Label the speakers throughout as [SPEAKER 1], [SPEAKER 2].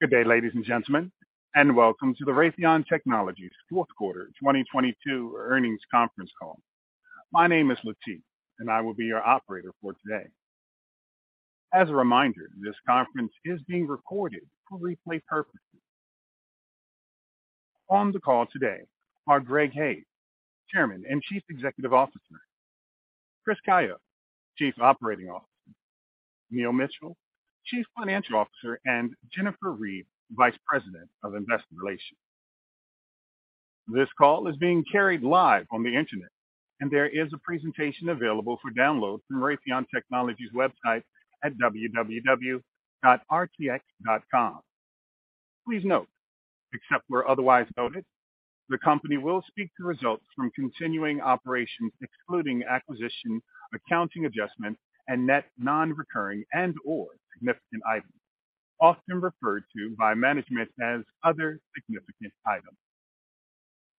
[SPEAKER 1] Good day, ladies and gentlemen, welcome to the Raytheon Technologies Q4 2022 earnings conference call. My name is Latif, I will be your operator for today. As a reminder, this conference is being recorded for replay purposes. On the call today are Greg Hayes, Chairman and Chief Executive Officer, Chris Calio, Chief Operating Officer, Neil Mitchill, Chief Financial Officer, Jennifer Reed, Vice President of Investor Relations. This call is being carried live on the Internet, there is a presentation available for download from Raytheon Technologies website at www.rtx.com. Please note, except where otherwise noted, the company will speak to results from continuing operations excluding acquisition, accounting adjustment and net non-recurring and/or significant items, often referred to by management as other significant items.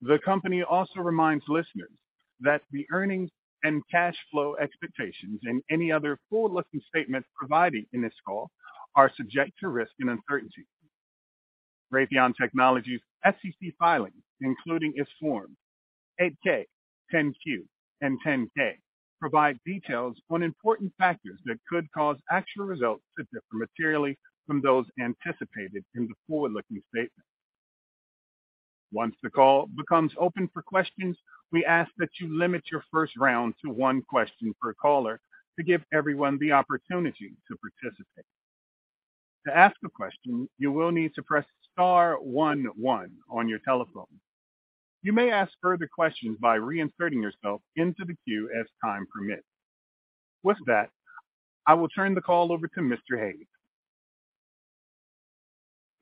[SPEAKER 1] The company also reminds listeners that the earnings and cash flow expectations and any other forward-looking statements provided in this call are subject to risk and uncertainty. Raytheon Technologies SEC filings, including its Form 8-K, 10-Q, and 10-K provide details on important factors that could cause actual results to differ materially from those anticipated in the forward-looking statement. Once the call becomes open for questions, we ask that you limit your first round to one question per caller to give everyone the opportunity to participate. To ask a question, you will need to press star one one on your telephone. You may ask further questions by reinserting yourself into the queue as time permits. With that, I will turn the call over to Mr. Hayes.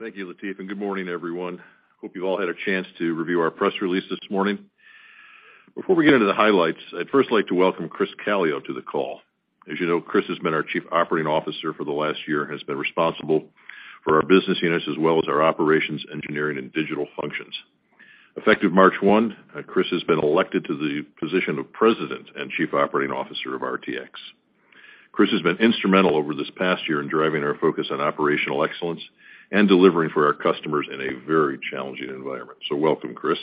[SPEAKER 2] Thank you, Latif, and good morning, everyone. Hope you've all had a chance to review our press release this morning. Before we get into the highlights, I'd first like to welcome Chris Calio to the call. As you know, Chris has been our Chief Operating Officer for the last year, and has been responsible for our business units as well as our operations, engineering, and digital functions. Effective March 1, Chris has been elected to the position of President and Chief Operating Officer of RTX. Chris has been instrumental over this past year in driving our focus on operational excellence and delivering for our customers in a very challenging environment. Welcome, Chris.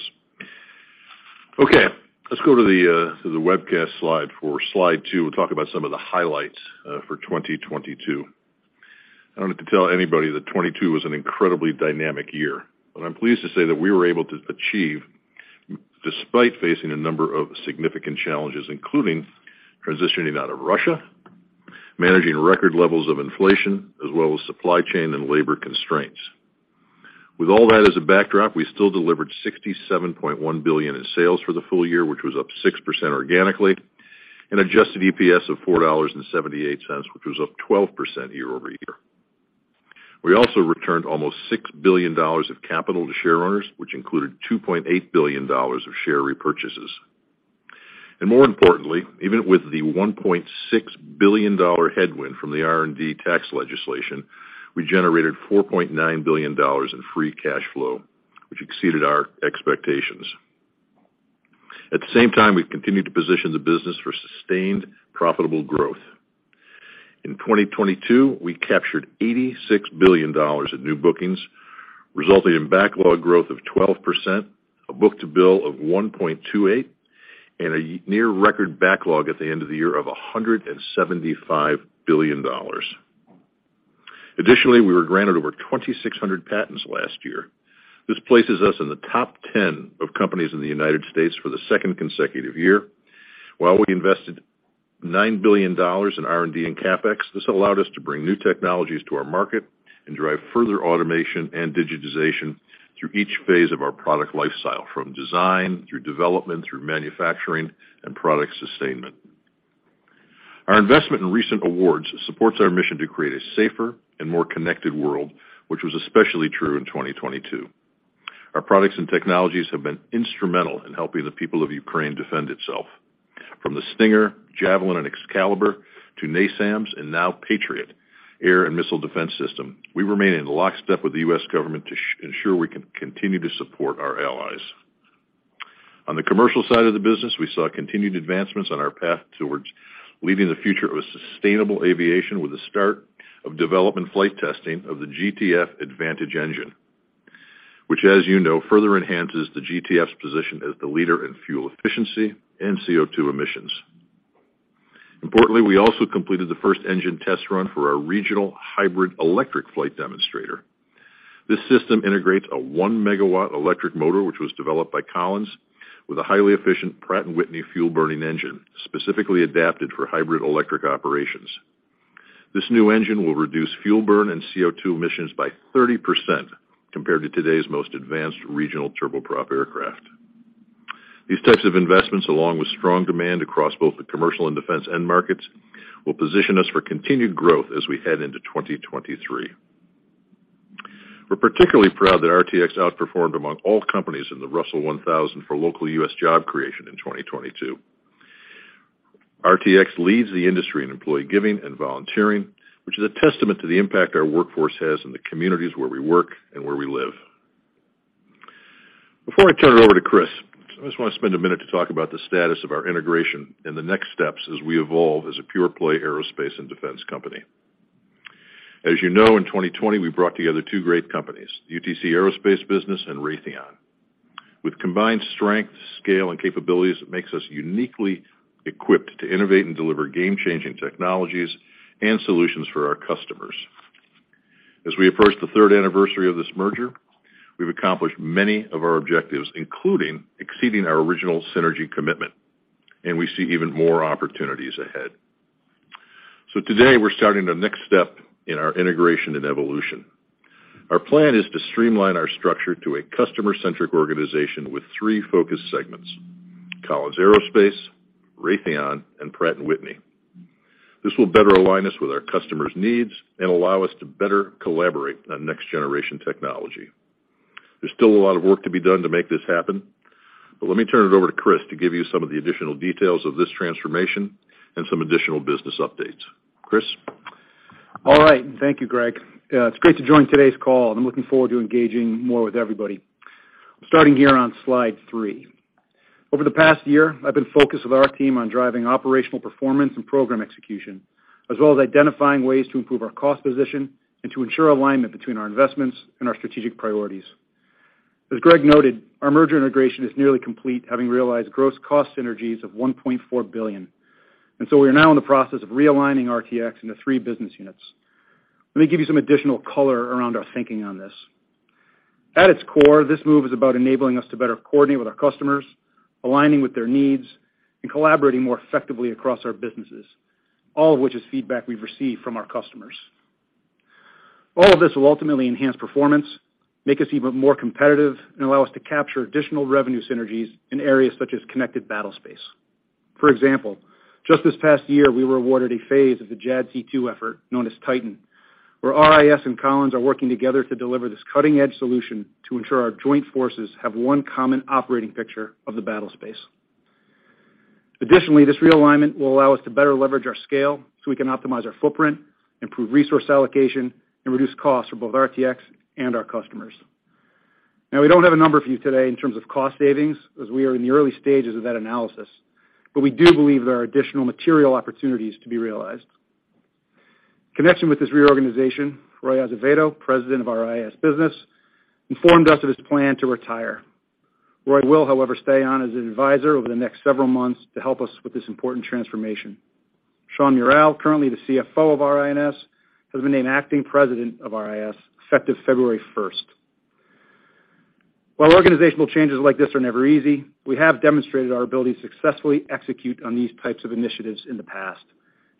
[SPEAKER 2] Let's go to the webcast slide for slide two. We'll talk about some of the highlights for 2022. I don't have to tell anybody that 2022 was an incredibly dynamic year, but I'm pleased to say that we were able to achieve despite facing a number of significant challenges, including transitioning out of Russia, managing record levels of inflation, as well as supply chain and labor constraints. With all that as a backdrop, we still delivered $67.1 billion in sales for the full year, which was up 6% organically, adjusted EPS of $4.78, which was up 12% year-over-year. We also returned almost $6 billion of capital to shareholders, which included $2.8 billion of share repurchases. More importantly, even with the $1.6 billion headwind from the R&D tax legislation, we generated $4.9 billion in free cash flow, which exceeded our expectations. At the same time, we've continued to position the business for sustained profitable growth. In 2022, we captured $86 billion of new bookings, resulting in backlog growth of 12%, a book-to-bill of 1.28, and a near record backlog at the end of the year of $175 billion. Additionally, we were granted over 2,600 patents last year. This places us in the top 10 of companies in the United States for the second consecutive year. While we invested $9 billion in R&D and CapEx, this allowed us to bring new technologies to our market and drive further automation and digitization through each phase of our product lifestyle, from design through development, through manufacturing and product sustainment. Our investment in recent awards supports our mission to create a safer and more connected world, which was especially true in 2022. Our products and technologies have been instrumental in helping the people of Ukraine defend itself. From the Stinger, Javelin, and Excalibur to NASAMS and now Patriot air and missile defense system, we remain in lockstep with the U.S. government to ensure we can continue to support our allies. On the commercial side of the business, we saw continued advancements on our path towards leading the future of sustainable aviation with the start of development flight testing of the GTF Advantage engine, which, as you know, further enhances the GTF's position as the leader in fuel efficiency and CO2 emissions. Importantly, we also completed the first engine test run for our regional hybrid electric flight demonstrator. This system integrates a 1-megawatt electric motor, which was developed by Collins, with a highly efficient Pratt & Whitney fuel burning engine, specifically adapted for hybrid electric operations. This new engine will reduce fuel burn and CO2 emissions by 30% compared to today's most advanced regional turboprop aircraft. These types of investments, along with strong demand across both the commercial and defense end markets, will position us for continued growth as we head into 2023. We're particularly proud that RTX outperformed among all companies in the Russell 1000 for local U.S. job creation in 2022. RTX leads the industry in employee giving and volunteering, which is a testament to the impact our workforce has in the communities where we work and where we live. Before I turn it over to Chris, I just want to spend a minute to talk about the status of our integration and the next steps as we evolve as a pure-play aerospace and defense company. As you know, in 2020, we brought together two great companies, UTC Aerospace business and Raytheon. With combined strength, scale, and capabilities, it makes us uniquely equipped to innovate and deliver game-changing technologies and solutions for our customers. As we approach the third anniversary of this merger, we've accomplished many of our objectives, including exceeding our original synergy commitment, and we see even more opportunities ahead. Today, we're starting the next step in our integration and evolution. Our plan is to streamline our structure to a customer-centric organization with three focus segments, Collins Aerospace, Raytheon, and Pratt & Whitney. This will better align us with our customers' needs and allow us to better collaborate on next-generation technology. There's still a lot of work to be done to make this happen, but let me turn it over to Chris to give you some of the additional details of this transformation and some additional business updates. Chris?
[SPEAKER 3] All right. Thank you, Greg. It's great to join today's call, and I'm looking forward to engaging more with everybody. Starting here on slide three. Over the past year, I've been focused with our team on driving operational performance and program execution, as well as identifying ways to improve our cost position and to ensure alignment between our investments and our strategic priorities. As Greg noted, our merger integration is nearly complete, having realized gross cost synergies of $1.4 billion. We are now in the process of realigning RTX into three business units. Let me give you some additional color around our thinking on this. At its core, this move is about enabling us to better coordinate with our customers, aligning with their needs, and collaborating more effectively across our businesses, all of which is feedback we've received from our customers. All of this will ultimately enhance performance, make us even more competitive, and allow us to capture additional revenue synergies in areas such as connected battle space. For example, just this past year, we were awarded a phase of the JADC2 effort, known as TITAN, where RIS and Collins are working together to deliver this cutting-edge solution to ensure our joint forces have one common operating picture of the battle space. Additionally, this realignment will allow us to better leverage our scale so we can optimize our footprint, improve resource allocation, and reduce costs for both RTX and our customers. Now, we don't have a number for you today in terms of cost savings, as we are in the early stages of that analysis, but we do believe there are additional material opportunities to be realized. Connection with this reorganization, Roy Azevedo, President of our RI&S business, informed us of his plan to retire. Roy will, however, stay on as an advisor over the next several months to help us with this important transformation. Sean Moriarty, currently the CFO of our INS, has been named Acting President of our INS effective February first. While organizational changes like this are never easy, we have demonstrated our ability to successfully execute on these types of initiatives in the past,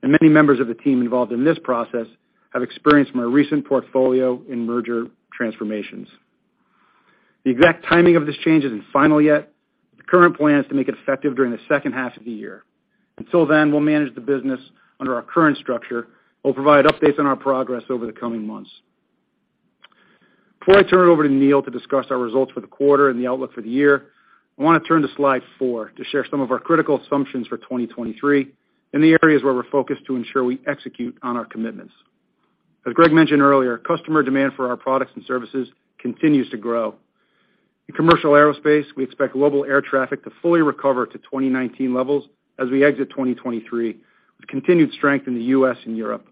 [SPEAKER 3] and many members of the team involved in this process have experienced more recent portfolio and merger transformations. The exact timing of this change isn't final yet. The current plan is to make it effective during the second half of the year. Until then, we'll manage the business under our current structure. We'll provide updates on our progress over the coming months. Before I turn it over to Neil to discuss our results for the quarter and the outlook for the year, I wanna turn to slide four to share some of our critical assumptions for 2023 and the areas where we're focused to ensure we execute on our commitments. As Greg mentioned earlier, customer demand for our products and services continues to grow. In commercial aerospace, we expect global air traffic to fully recover to 2019 levels as we exit 2023, with continued strength in the U.S. and Europe.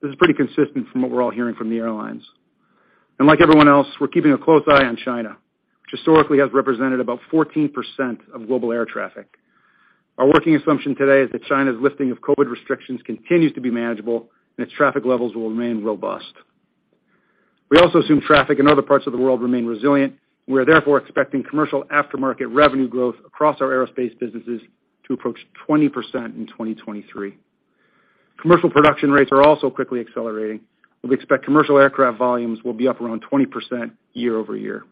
[SPEAKER 3] This is pretty consistent from what we're all hearing from the airlines. Like everyone else, we're keeping a close eye on China, which historically has represented about 14% of global air traffic. Our working assumption today is that China's lifting of COVID restrictions continues to be manageable, and its traffic levels will remain robust. We also assume traffic in other parts of the world remain resilient. We are therefore expecting commercial aftermarket revenue growth across our aerospace businesses to approach 20% in 2023. Commercial production rates are also quickly accelerating. We expect commercial aircraft volumes will be up around 20% year-over-year.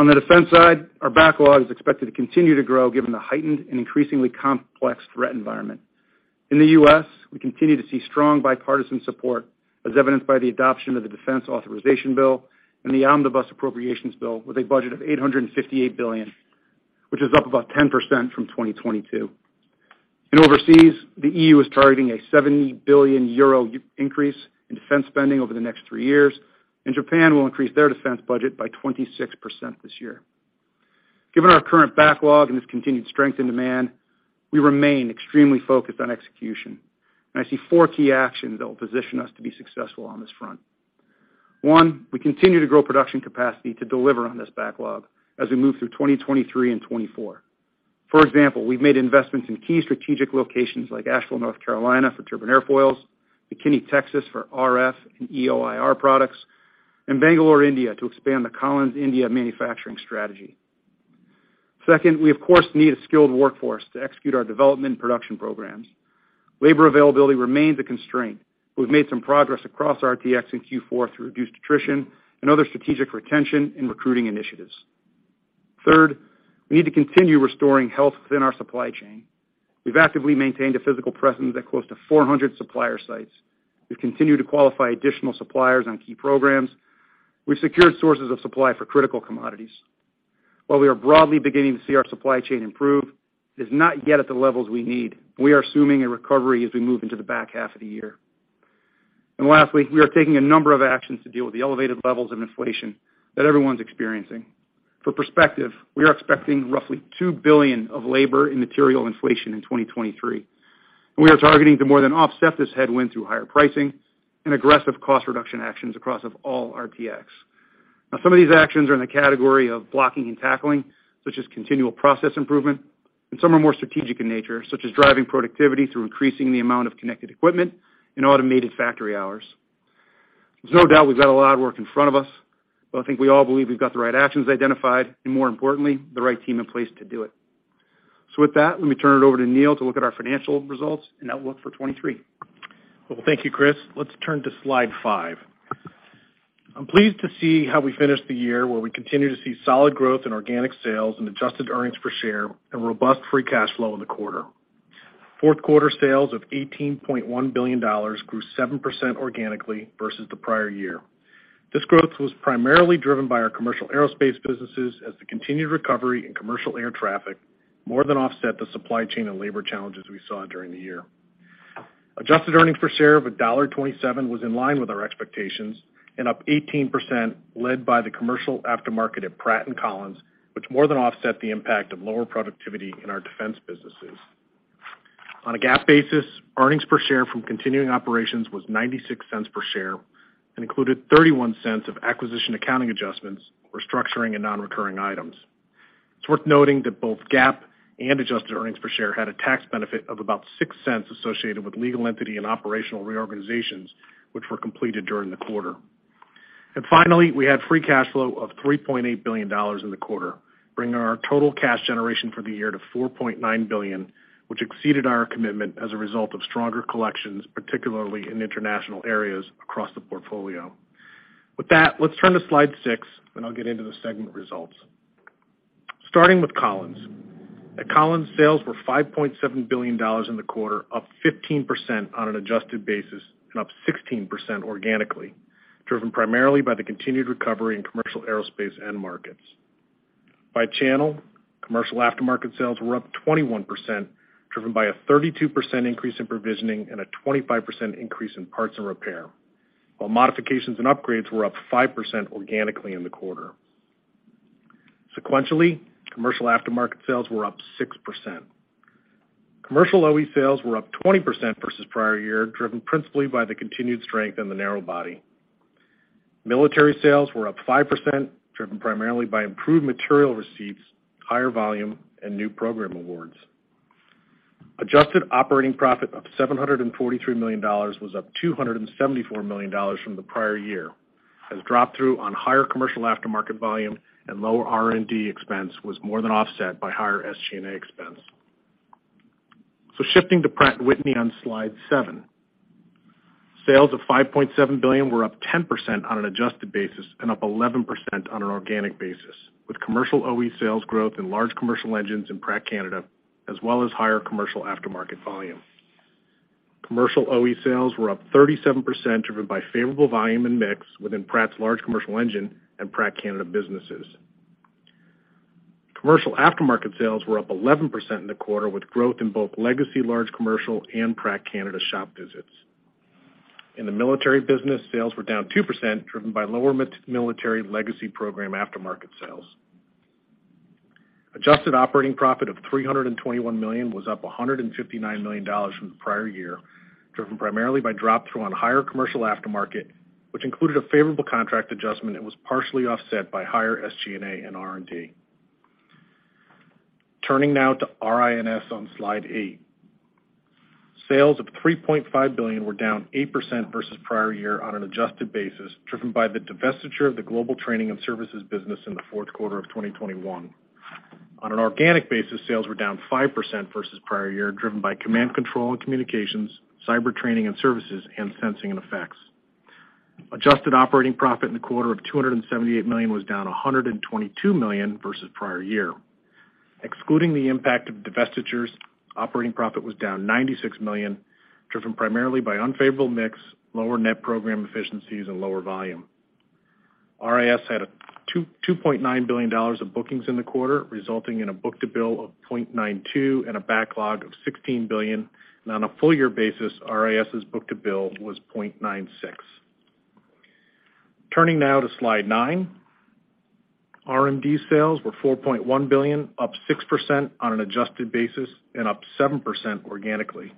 [SPEAKER 3] On the defense side, our backlog is expected to continue to grow given the heightened and increasingly complex threat environment. In the U.S., we continue to see strong bipartisan support as evidenced by the adoption of the Defense Authorization Bill and the Omnibus Appropriations Bill with a budget of $858 billion, which is up about 10% from 2022. Overseas, the EU is targeting a 70 billion euro increase in defense spending over the next three years, and Japan will increase their defense budget by 26% this year. Given our current backlog and this continued strength in demand, we remain extremely focused on execution. I see four key actions that will position us to be successful on this front. One, we continue to grow production capacity to deliver on this backlog as we move through 2023 and 2024. For example, we've made investments in key strategic locations like Asheville, North Carolina for turbine airfoils, McKinney, Texas for RF and EOIR products, and Bangalore, India to expand the Collins India manufacturing strategy. Second, we of course, need a skilled workforce to execute our development and production programs. Labor availability remains a constraint. We've made some progress across RTX in Q4 through reduced attrition and other strategic retention and recruiting initiatives. Third, we need to continue restoring health within our supply chain. We've actively maintained a physical presence at close to 400 supplier sites. We've continued to qualify additional suppliers on key programs. We've secured sources of supply for critical commodities. While we are broadly beginning to see our supply chain improve, it's not yet at the levels we need. We are assuming a recovery as we move into the back half of the year. Lastly, we are taking a number of actions to deal with the elevated levels of inflation that everyone's experiencing. For perspective, we are expecting roughly $2 billion of labor and material inflation in 2023, and we are targeting to more than offset this headwind through higher pricing and aggressive cost reduction actions across of all RTX. Now, some of these actions are in the category of blocking and tackling, such as continual process improvement, and some are more strategic in nature, such as driving productivity through increasing the amount of connected equipment and automated factory hours. There's no doubt we've got a lot of work in front of us, but I think we all believe we've got the right actions identified and more importantly, the right team in place to do it. With that, let me turn it over to Neil to look at our financial results and outlook for 2023.
[SPEAKER 4] Well, thank you, Chris. Let's turn to slide five. I'm pleased to see how we finished the year, where we continue to see solid growth in organic sales and adjusted earnings per share and robust free cash flow in the quarter. Q4 sales of $18.1 billion grew 7% organically versus the prior year. This growth was primarily driven by our commercial aerospace businesses as the continued recovery in commercial air traffic more than offset the supply chain and labor challenges we saw during the year. Adjusted earnings per share of $1.27 was in line with our expectations and up 18% led by the commercial aftermarket at Pratt & Collins, which more than offset the impact of lower productivity in our defense businesses. On a GAAP basis, earnings per share from continuing operations was $0.96 per share and included $0.31 of acquisition accounting adjustments, restructuring and non-recurring items. It's worth noting that both GAAP and adjusted earnings per share had a tax benefit of about $0.06 associated with legal entity and operational reorganizations, which were completed during the quarter. Finally, we had free cash flow of $3.8 billion in the quarter, bringing our total cash generation for the year to $4.9 billion, which exceeded our commitment as a result of stronger collections, particularly in international areas across the portfolio. With that, let's turn to slide six, and I'll get into the segment results. Starting with Collins. At Collins, sales were $5.7 billion in the quarter, up 15% on an adjusted basis and up 16% organically, driven primarily by the continued recovery in commercial aerospace end markets. By channel, commercial aftermarket sales were up 21%, driven by a 32% increase in provisioning and a 25% increase in parts and repair, while modifications and upgrades were up 5% organically in the quarter. Sequentially, commercial aftermarket sales were up 6%. Commercial OE sales were up 20% versus prior year, driven principally by the continued strength in the narrow-body. Military sales were up 5%, driven primarily by improved material receipts, higher volume and new program awards. Adjusted operating profit of $743 million was up $274 million from the prior year, as drop-through on higher commercial aftermarket volume and lower R&D expense was more than offset by higher SG&A expense. Shifting to Pratt & Whitney on slide seven. Sales of $5.7 billion were up 10% on an adjusted basis and up 11% on an organic basis, with commercial OE sales growth in large commercial engines in Pratt & Whitney Canada, as well as higher commercial aftermarket volume. Commercial OE sales were up 37%, driven by favorable volume and mix within Pratt's large commercial engine and Pratt & Whitney Canada businesses. Commercial aftermarket sales were up 11% in the quarter, with growth in both legacy large commercial and Pratt & Whitney Canada shop visits. In the military business, sales were down 2%, driven by lower military legacy program aftermarket sales. Adjusted operating profit of $321 million was up $159 million from the prior year, driven primarily by drop-through on higher commercial aftermarket, which included a favorable contract adjustment that was partially offset by higher SG&A and R&D. Turning now to RIS on slide 8. Sales of $3.5 billion were down 8% versus prior year on an adjusted basis, driven by the divestiture of the Global Training and Logistics business in the Q4 of 2021. On an organic basis, sales were down 5% versus prior year, driven by command control and communications, cyber training and services, and sensing and effects. Adjusted operating profit in the quarter of $278 million was down $122 million versus prior year. Excluding the impact of divestitures, operating profit was down $96 million, driven primarily by unfavorable mix, lower net program efficiencies and lower volume. RIS had $2.9 billion of bookings in the quarter, resulting in a book-to-bill of 0.92 and a backlog of $16 billion. On a full year basis, RIS' book-to-bill was 0.96. Turning now to slide 9. RMD sales were $4.1 billion, up 6% on an adjusted basis and up 7% organically,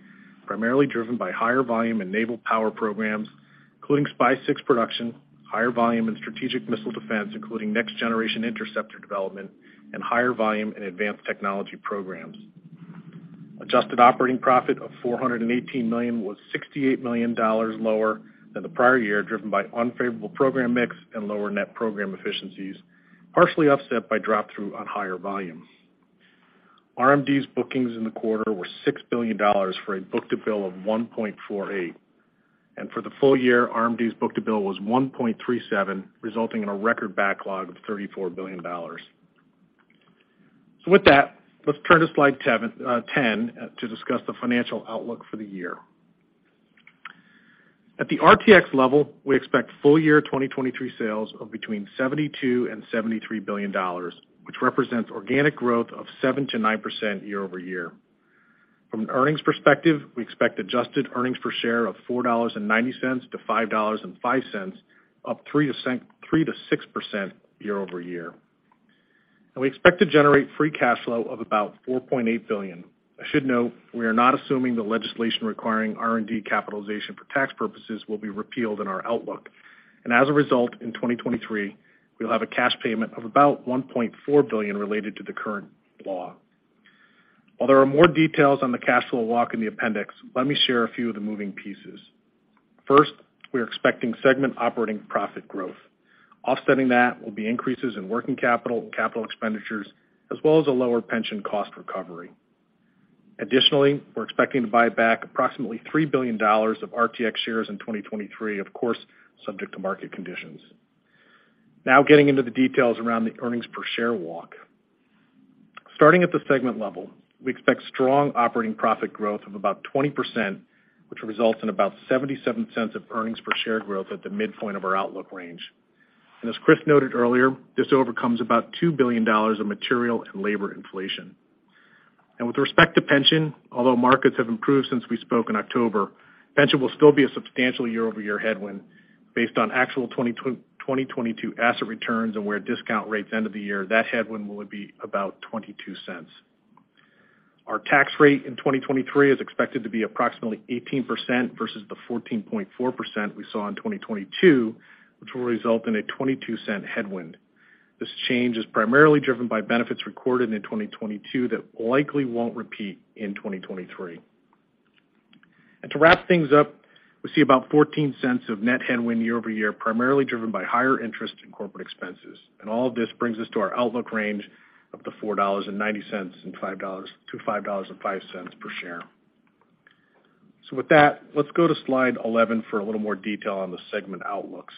[SPEAKER 4] primarily driven by higher volume in naval power programs, including SPY-6 production, higher volume in strategic missile defense, including Next Generation Interceptor development and higher volume in advanced technology programs. Adjusted operating profit of $418 million was $68 million lower than the prior year, driven by unfavorable program mix and lower net program efficiencies, partially offset by drop-through on higher volume. RMD's bookings in the quarter were $6 billion for a book-to-bill of 1.48. For the full year, RMD's book-to-bill was 1.37, resulting in a record backlog of $34 billion. With that, let's turn to slide 10 to discuss the financial outlook for the year. At the RTX level, we expect full year 2023 sales of between $72 billion to $73 billion, which represents organic growth of 7% to 9% year-over-year. From an earnings perspective, we expect adjusted earnings per share of $4.90 to $5.50, up 3% to 6% year-over-year. We expect to generate free cash flow of about $4.8 billion. I should note, we are not assuming the legislation requiring R&D capitalization for tax purposes will be repealed in our outlook. As a result, in 2023, we'll have a cash payment of about $1.4 billion related to the current law. While there are more details on the cash flow walk in the appendix, let me share a few of the moving pieces. First, we are expecting segment operating profit growth. Offsetting that will be increases in working capital and capital expenditures, as well as a lower pension cost recovery. Additionally, we're expecting to buy back approximately $3 billion of RTX shares in 2023, of course, subject to market conditions. Getting into the details around the earnings per share walk. Starting at the segment level, we expect strong operating profit growth of about 20%, which results in about $0.77 of earnings per share growth at the midpoint of our outlook range. As Chris noted earlier, this overcomes about $2 billion of material and labor inflation. With respect to pension, although markets have improved since we spoke in October, pension will still be a substantial year-over-year headwind based on actual 2022 asset returns and where discount rates end of the year, that headwind will be about $0.22. Our tax rate in 2023 is expected to be approximately 18% versus the 14.4% we saw in 2022, which will result in a $0.22 headwind. This change is primarily driven by benefits recorded in 2022 that likely won't repeat in 2023. To wrap things up, we see about $0.14 of net headwind year-over-year, primarily driven by higher interest in corporate expenses. All of this brings us to our outlook range of $4.90 to $5.05 per share. With that, let's go to slide 11 for a little more detail on the segment outlooks.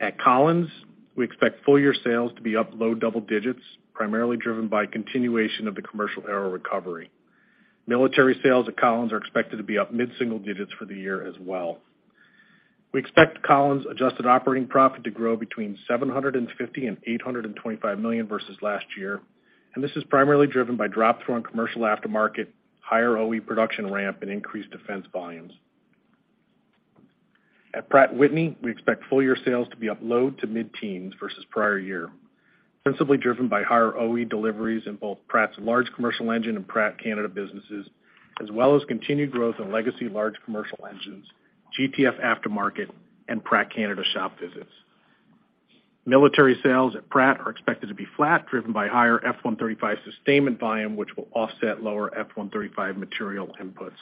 [SPEAKER 4] At Collins, we expect full-year sales to be up low double digits, primarily driven by continuation of the commercial aero recovery. Military sales at Collins are expected to be up mid-single digits for the year as well. We expect Collins' adjusted operating profit to grow between $750 million and $825 million versus last year, and this is primarily driven by drop-through on commercial aftermarket, higher OE production ramp, and increased defense volumes. At Pratt & Whitney, we expect full-year sales to be up low to mid-teens versus prior year, principally driven by higher OE deliveries in both Pratt's large commercial engine and Pratt Canada businesses, as well as continued growth in legacy large commercial engines, GTF aftermarket, and Pratt Canada shop visits. Military sales at Pratt are expected to be flat, driven by higher F135 sustainment volume, which will offset lower F135 material inputs.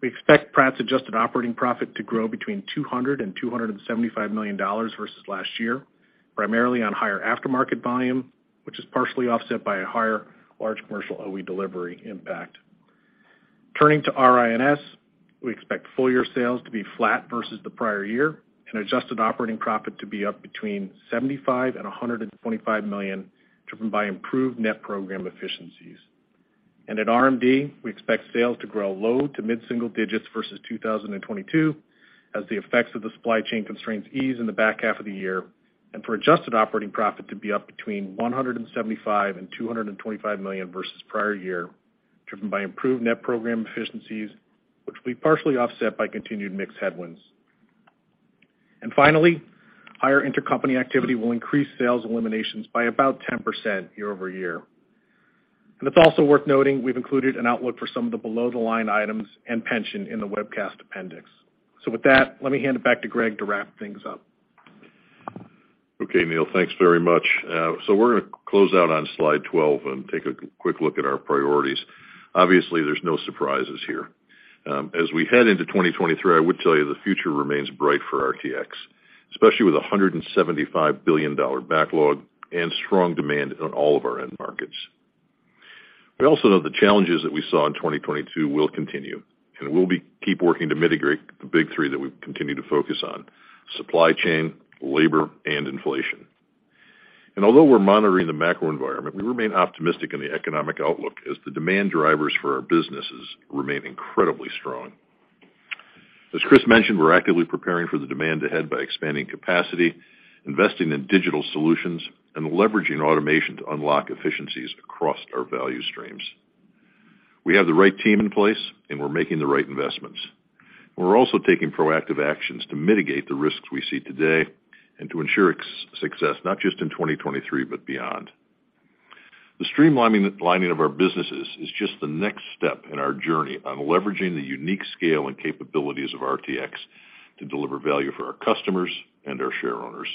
[SPEAKER 4] We expect Pratt's adjusted operating profit to grow between $200 million to $275 million versus last year, primarily on higher aftermarket volume, which is partially offset by a higher large commercial OE delivery impact. Turning to RIS, we expect full-year sales to be flat versus the prior year and adjusted operating profit to be up between $75 million to $125 million, driven by improved net program efficiencies. At RMD, we expect sales to grow low to mid-single digits versus 2022 as the effects of the supply chain constraints ease in the back half of the year, and for adjusted operating profit to be up between $175 million and $225 million versus prior year, driven by improved net program efficiencies, which will be partially offset by continued mixed headwinds. Finally, higher intercompany activity will increase sales eliminations by about 10% year-over-year. It's also worth noting we've included an outlook for some of the below-the-line items and pension in the webcast appendix. With that, let me hand it back to Greg to wrap things up.
[SPEAKER 2] Okay, Neil, thanks very much. We're going to close out on slide 12 and take a quick look at our priorities. Obviously, there's no surprises here. As we head into 2023, I would tell you the future remains bright for RTX, especially with a $175 billion backlog and strong demand on all of our end markets. We also know the challenges that we saw in 2022 will continue, and we'll keep working to mitigate the big three that we continue to focus on: Supply chain, Labor, and Inflation. Although we're monitoring the macro environment, we remain optimistic in the economic outlook as the demand drivers for our businesses remain incredibly strong. As Chris mentioned, we're actively preparing for the demand ahead by expanding capacity, investing in digital solutions, and leveraging automation to unlock efficiencies across our value streams. We have the right team in place, and we're making the right investments. We're also taking proactive actions to mitigate the risks we see today and to ensure success, not just in 2023, but beyond. The streamlining of our businesses is just the next step in our journey on leveraging the unique scale and capabilities of RTX to deliver value for our customers and our shareowners.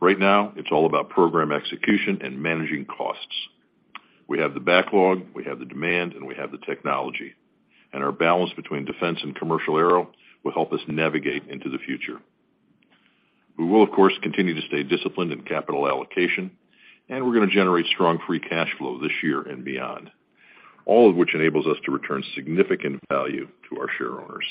[SPEAKER 2] Right now, it's all about program execution and managing costs. We have the backlog, we have the demand, and we have the technology, and our balance between defense and commercial aero will help us navigate into the future. We will, of course, continue to stay disciplined in capital allocation, and we're going to generate strong free cash flow this year and beyond, all of which enables us to return significant value to our shareowners.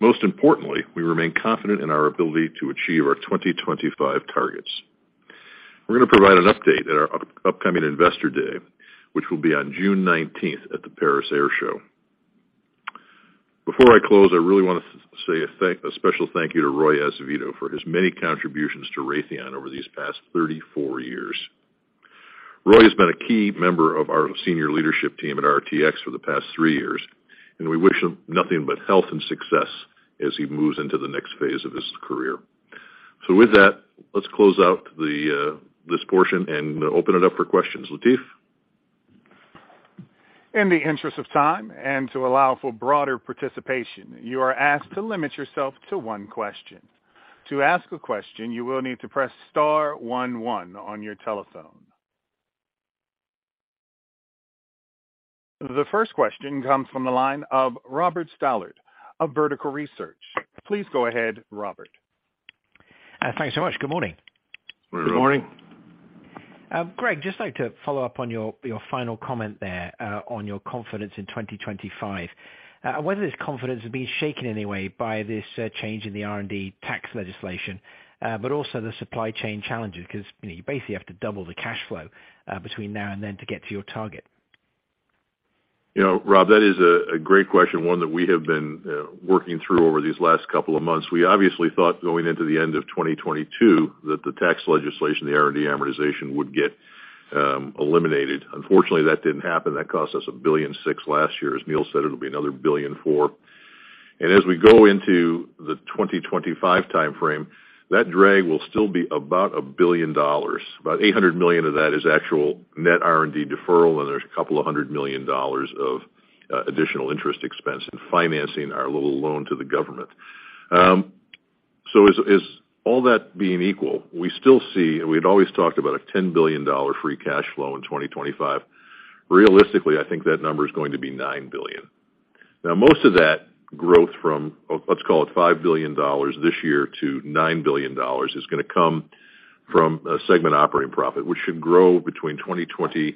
[SPEAKER 2] Most importantly, we remain confident in our ability to achieve our 2025 targets. We're going to provide an update at our upcoming Investor Day, which will be on June 19th at the Paris Air Show. Before I close, I really want to say a special thank you to Roy Azevedo for his many contributions to Raytheon over these past 34 years. Roy has been a key member of our senior leadership team at RTX for the past three years, and we wish him nothing but health and success as he moves into the next phase of his career. With that, let's close out the this portion and open it up for questions. Latif.
[SPEAKER 1] In the interest of time and to allow for broader participation, you are asked to limit yourself to one question. To ask a question, you will need to press star one one on your telephone. The first question comes from the line of Robert Stallard of Vertical Research. Please go ahead, Robert.
[SPEAKER 5] Thanks so much. Good morning.
[SPEAKER 2] Good morning.
[SPEAKER 4] Good morning.
[SPEAKER 5] Greg, just like to follow up on your final comment there, on your confidence in 2025. Whether this confidence would be shaken in any way by this, change in the R&D tax legislation, but also the supply chain challenges, 'cause you know, you basically have to double the cash flow, between now and then to get to your target?
[SPEAKER 2] You know, Rob, that is a great question, one that we have been working through over these last couple of months. We obviously thought going into the end of 2022 that the tax legislation, the R&D amortization, would get eliminated. Unfortunately, that didn't happen. That cost us $1.6 billion last year. As Neil said, it'll be another $1.4 billion. As we go into the 2025 timeframe, that drag will still be about $1 billion. About $800 million of that is actual net R&D deferral, and there's $200 million of additional interest expense in financing our little loan to the government. As all that being equal, we still see, we'd always talked about a $10 billion free cash flow in 2025. Realistically, I think that number is going to be $9 billion. Most of that growth from, let's call it $5 billion this year to $9 billion is gonna come from a segment operating profit, which should grow between 2022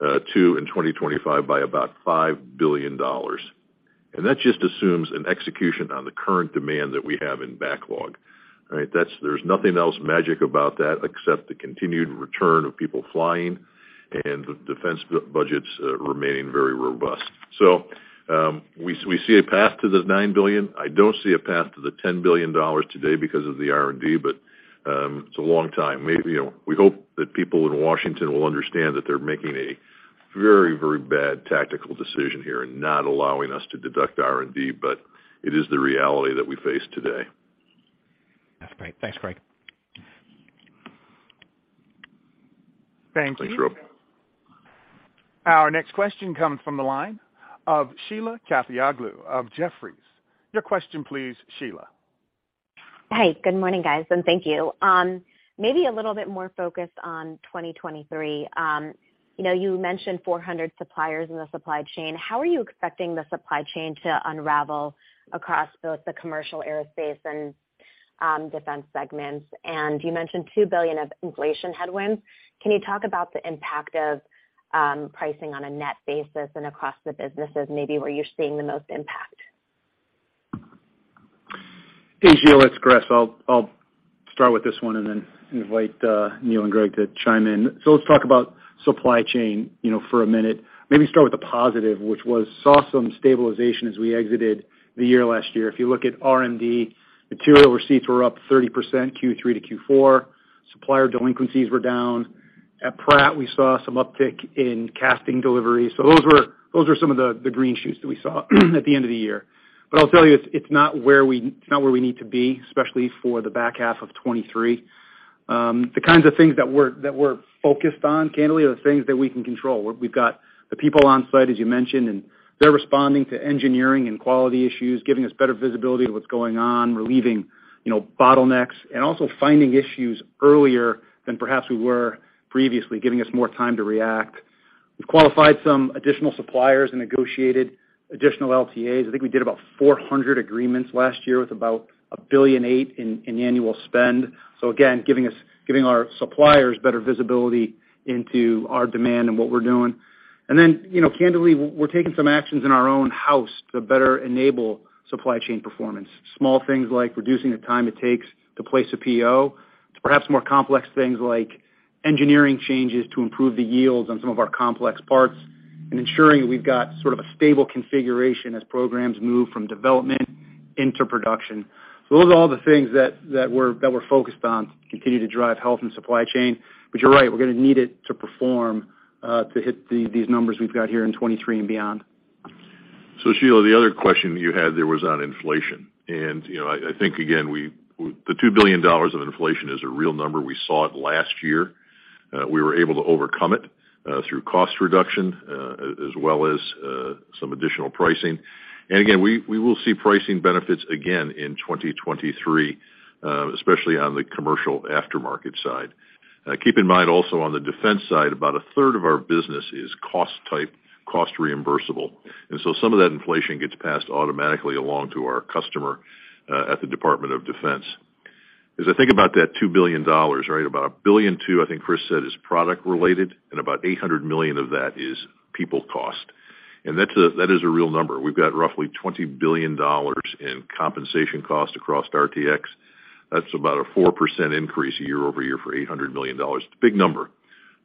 [SPEAKER 2] and 2025 by about $5 billion. That just assumes an execution on the current demand that we have in backlog. Right? There's nothing else magic about that except the continued return of people flying and the defense budgets remaining very robust. We see a path to the $9 billion. I don't see a path to the $10 billion today because of the R&D, but it's a long time. Maybe, you know, we hope that people in Washington will understand that they're making a very, very bad tactical decision here in not allowing us to deduct R&D, but it is the reality that we face today.
[SPEAKER 5] That's great. Thanks, Greg.
[SPEAKER 4] Thank you.
[SPEAKER 2] Thanks, Rob.
[SPEAKER 1] Our next question comes from the line of Sheila Kahyaoglu of Jefferies. Your question please, Sheila.
[SPEAKER 6] Hey, good morning, guys, and thank you. Maybe a little bit more focused on 2023. You know, you mentioned 400 suppliers in the supply chain. How are you expecting the supply chain to unravel across both the commercial aerospace and defense segments? You mentioned $2 billion of inflation headwinds. Can you talk about the impact of pricing on a net basis and across the businesses, maybe where you're seeing the most impact?
[SPEAKER 3] Hey, Sheila, it's Chris. I'll start with this one and then invite Neil and Greg to chime in. Let's talk about supply chain, you know, for a minute. Maybe start with the positive, which was saw some stabilization as we exited the year last year. If you look at RMD, material receipts were up 30% Q3 to Q4. Supplier delinquencies were down. At Pratt, we saw some uptick in casting deliveries. Those were some of the green shoots that we saw at the end of the year. I'll tell you, it's not where we need to be, especially for the back half of 2023. The kinds of things that we're, that we're focused on, candidly, are the things that we can control, where we've got the people on site, as you mentioned, and they're responding to engineering and quality issues, giving us better visibility of what's going on, relieving, you know, bottlenecks and also finding issues earlier than perhaps we were previously, giving us more time to react. We've qualified some additional suppliers and negotiated additional LTAs. I think we did about 400 agreements last year with about $1.8 billion in annual spend. Again, giving us, giving our suppliers better visibility into our demand and what we're doing. You know, candidly, we're taking some actions in our own house to better enable supply chain performance. Small things like reducing the time it takes to place a PO, to perhaps more complex things like engineering changes to improve the yields on some of our complex parts and ensuring that we've got sort of a stable configuration as programs move from development into production. Those are all the things that we're focused on to continue to drive health in supply chain. You're right, we're gonna need it to perform to hit these numbers we've got here in 23 and beyond.
[SPEAKER 2] Sheila, the other question you had there was on inflation. You know, I think again, the $2 billion of inflation is a real number. We saw it last year. We were able to overcome it through cost reduction as well as some additional pricing. Again, we will see pricing benefits again in 2023, especially on the commercial aftermarket side. Keep in mind also on the defense side, about a third of our business is cost type, cost reimbursable. So some of that inflation gets passed automatically along to our customer at the Department of Defense. As I think about that $2 billion, right? About $1.2 billion, I think Chris said, is product related, and about $800 million of that is people cost. That's a, that is a real number. We've got roughly $20 billion in compensation cost across RTX. That's about a 4% increase year-over-year for $800 million. It's a big number.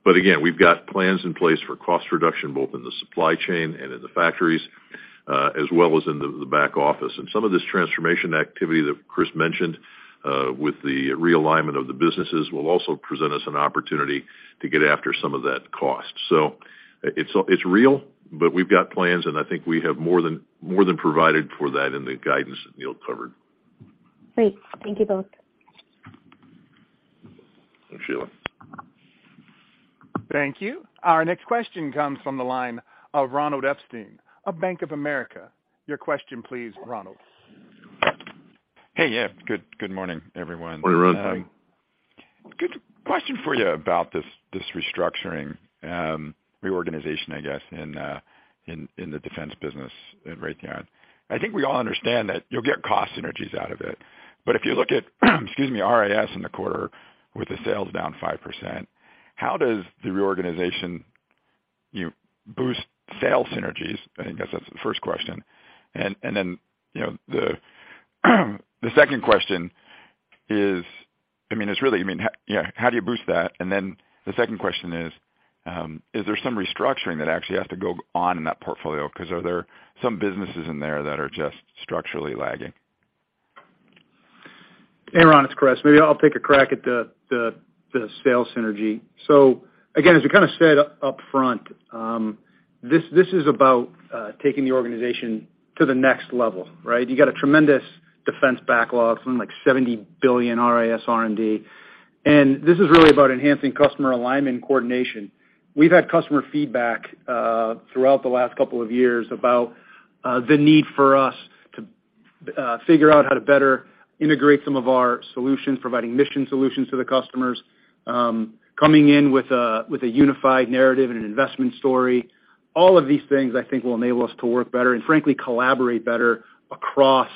[SPEAKER 2] Again, we've got plans in place for cost reduction, both in the supply chain and in the factories, as well as in the back office. Some of this transformation activity that Chris mentioned, with the realignment of the businesses will also present us an opportunity to get after some of that cost. It's real, but we've got plans, and I think we have more than provided for that in the guidance that Neil covered.
[SPEAKER 6] Great. Thank you both.
[SPEAKER 2] Thanks, Sheila.
[SPEAKER 1] Thank you. Our next question comes from the line of Ronald Epstein of Bank of America. Your question please, Ronald.
[SPEAKER 7] Hey. Yeah. Good morning, everyone.
[SPEAKER 2] Morning, Ron.
[SPEAKER 7] Question for you about this restructuring, reorganization, I guess, in the defense business at Raytheon. I think we all understand that you'll get cost synergies out of it. If you look at, excuse me, RIS in the quarter with the sales down 5%, how does the reorganization, you boost sales synergies? I think that's the first question. Then, you know, the second question is, I mean, it's really, I mean, yeah, how do you boost that? Then the second question is there some restructuring that actually has to go on in that portfolio 'cause are there some businesses in there that are just structurally lagging?
[SPEAKER 3] Hey, Ron, it's Chris. Maybe I'll take a crack at the sales synergy. Again, as we kind of said upfront, this is about taking the organization to the next level, right? You got a tremendous defense backlog, something like $70 billion RIS R&D. This is really about enhancing customer alignment and coordination. We've had customer feedback throughout the last couple of years about the need for us to figure out how to better integrate some of our solutions, providing mission solutions to the customers, coming in with a unified narrative and an investment story. All of these things, I think, will enable us to work better and frankly collaborate better across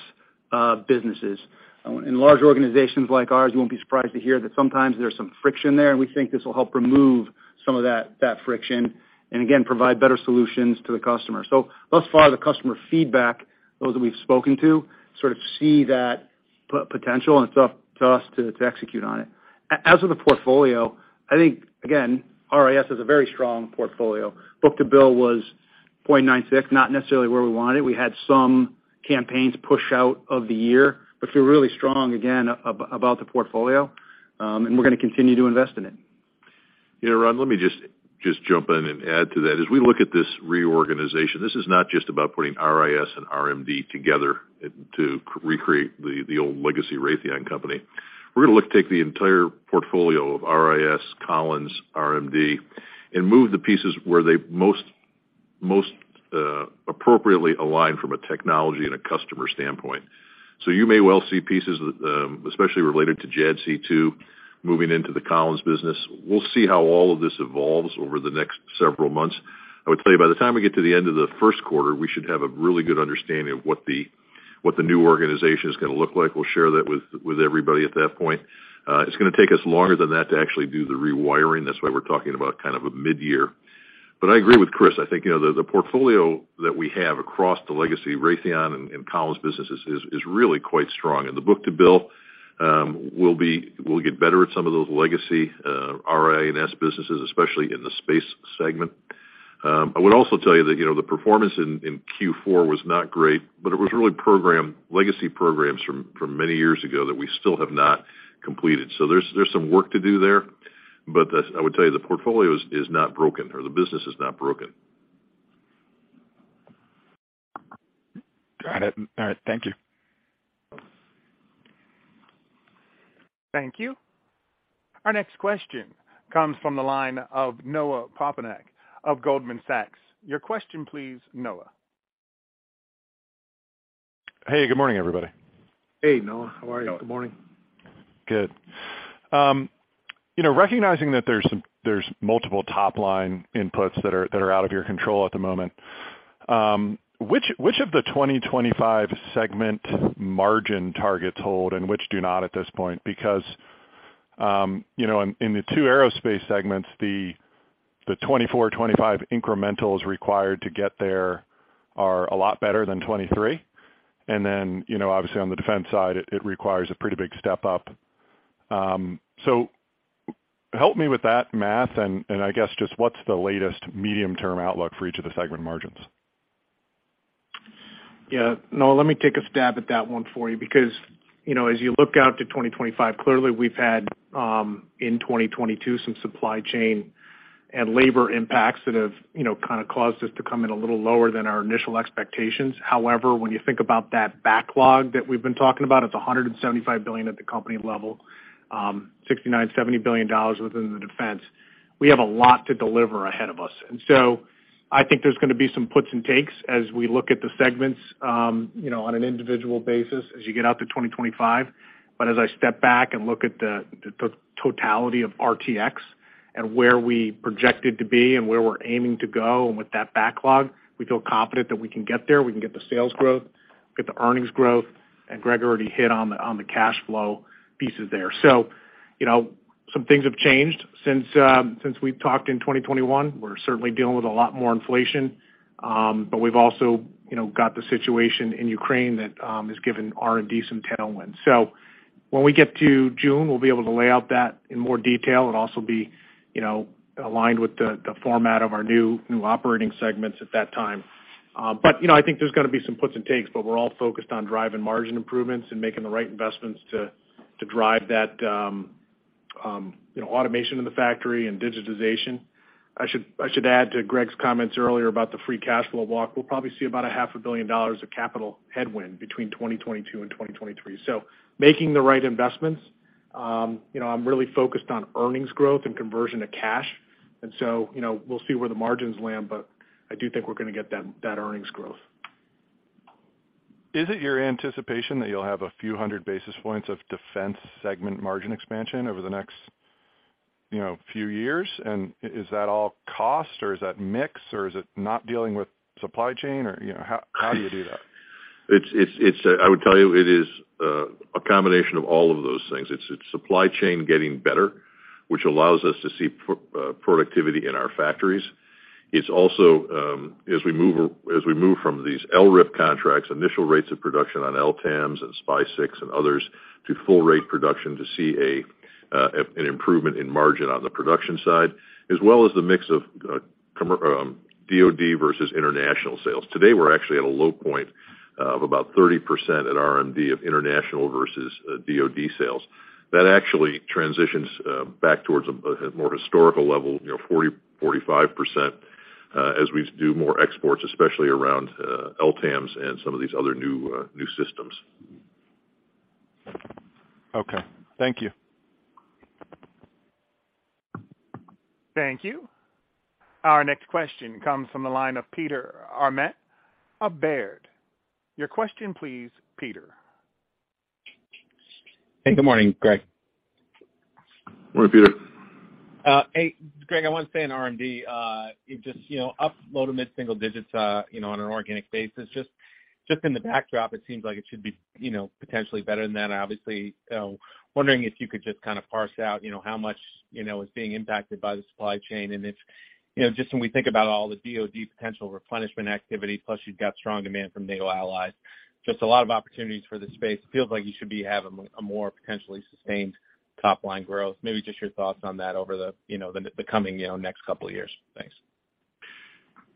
[SPEAKER 3] businesses. In large organizations like ours, you won't be surprised to hear that sometimes there's some friction there. We think this will help remove some of that friction, again, provide better solutions to the customer. Thus far, the customer feedback, those that we've spoken to, sort of see that potential. It's up to us to execute on it. As of the portfolio, I think, again, RIS has a very strong portfolio. Book-to-bill was 0.96, not necessarily where we wanted. We had some campaigns push out of the year. Feel really strong again about the portfolio, we're gonna continue to invest in it.
[SPEAKER 2] Yeah, Ron, let me just jump in and add to that. As we look at this reorganization, this is not just about putting RIS and RMD together to recreate the old legacy Raytheon company. We're gonna look to take the entire portfolio of RIS, Collins, RMD, and move the pieces where they most appropriately align from a technology and a customer standpoint. You may well see pieces, especially related to JADC2 moving into the Collins business. We'll see how all of this evolves over the next several months. I would tell you by the time we get to the end of the Q1, we should have a really good understanding of what the new organization is gonna look like. We'll share that with everybody at that point. It's gonna take us longer than that to actually do the rewiring. That's why we're talking about kind of a midyear. I agree with Chris. I think, you know, the portfolio that we have across the legacy Raytheon and Collins businesses is really quite strong. The book-to-bill we'll get better at some of those legacy RIS businesses, especially in the space segment. I would also tell you that, you know, the performance in Q4 was not great, but it was really program, legacy programs from many years ago that we still have not completed. There's some work to do there, but I would tell you the portfolio is not broken or the business is not broken.
[SPEAKER 7] Got it. All right. Thank you.
[SPEAKER 1] Thank you. Our next question comes from the line of Noah Poponak of Goldman Sachs. Your question please, Noah.
[SPEAKER 8] Hey, good morning, everybody.
[SPEAKER 2] Hey, Noah. How are you? Good morning.
[SPEAKER 8] Good. you know, recognizing that there's multiple top-line inputs that are out of your control at the moment, which of the 2025 segment margin targets hold and which do not at this point? You know, in the two aerospace segments, the 2024, 2025 incrementals required to get there are a lot better than 2023. You know, obviously on the defense side, it requires a pretty big step up. Help me with that math and, I guess just what's the latest medium-term outlook for each of the segment margins.
[SPEAKER 3] Yeah. Noah, let me take a stab at that one for you because, you know, as you look out to 2025, clearly we've had, in 2022, some supply chain and labor impacts that have, you know, kind of caused us to come in a little lower than our initial expectations. However, when you think about that backlog that we've been talking about, it's $175 billion at the company level, $69 billion to $70 billion within the defense. We have a lot to deliver ahead of us. I think there's gonna be some puts and takes as we look at the segments, you know, on an individual basis as you get out to 2025. As I step back and look at the totality of RTX and where we projected to be and where we're aiming to go and with that backlog, we feel confident that we can get there. We can get the sales growth, get the earnings growth, and Greg already hit on the, on the cash flow pieces there. So You know, some things have changed since since we've talked in 2021. We're certainly dealing with a lot more inflation, but we've also, you know, got the situation in Ukraine that has given RMD some tailwind. When we get to June, we'll be able to lay out that in more detail. It'll also be, you know, aligned with the format of our new operating segments at that time. You know, I think there's gonna be some puts and takes, but we're all focused on driving margin improvements and making the right investments to drive that, you know, automation in the factory and digitization. I should add to Greg's comments earlier about the free cash flow block. We'll probably see about a half a billion dollars of capital headwind between 2022 and 2023. making the right investments. you know, I'm really focused on earnings growth and conversion to cash. you know, we'll see where the margins land, but I do think we're gonna get that earnings growth.
[SPEAKER 8] Is it your anticipation that you'll have a few 100 basis points of defense segment margin expansion over the next, you know, few years? Is that all cost, or is that mix, or is it not dealing with supply chain, or, you know, how do you do that?
[SPEAKER 2] I would tell you it is a combination of all of those things. It's supply chain getting better, which allows us to see productivity in our factories. It's also, as we move from these LRIP contracts, initial rates of production on LTAMDS and SPY-6 and others to full rate production to see an improvement in margin on the production side, as well as the mix of DoD versus international sales. Today, we're actually at a low point of about 30% at RMD of international versus DoD sales. That actually transitions back towards a more historical level, you know, 40%-45%, as we do more exports, especially around LTAMDS and some of these other new systems.
[SPEAKER 8] Okay. Thank you.
[SPEAKER 1] Thank you. Our next question comes from the line of Peter Arment of Baird. Your question please, Peter.
[SPEAKER 9] Hey, good morning, Greg.
[SPEAKER 2] Morning, Peter.
[SPEAKER 9] Hey, Greg. I wanna stay in RMD. It just, up low to mid single digits on an organic basis. Just in the backdrop, it seems like it should be potentially better than that, obviously. Wondering if you could just kind of parse out how much is being impacted by the supply chain and if, just when we think about all the DoD potential replenishment activity, plus you've got strong demand from NATO allies, just a lot of opportunities for the space. It feels like you should be having a more potentially sustained top line growth. Maybe just your thoughts on that over the coming next couple of years. Thanks.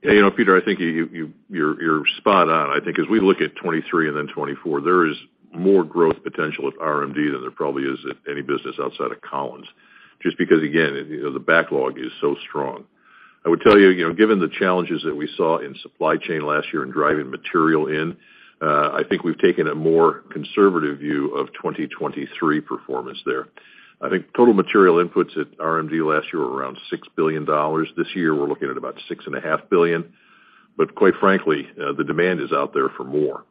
[SPEAKER 2] You know, Peter, I think you're spot on. I think as we look at 2023 and then 2024, there is more growth potential at RMD than there probably is at any business outside of Collins. Just because again, you know, the backlog is so strong. I would tell you know, given the challenges that we saw in supply chain last year in driving material in, I think we've taken a more conservative view of 2023 performance there. I think total material inputs at RMD last year were around $6 billion. This year, we're looking at about $6.5 billion. Quite frankly, the demand is out there for more.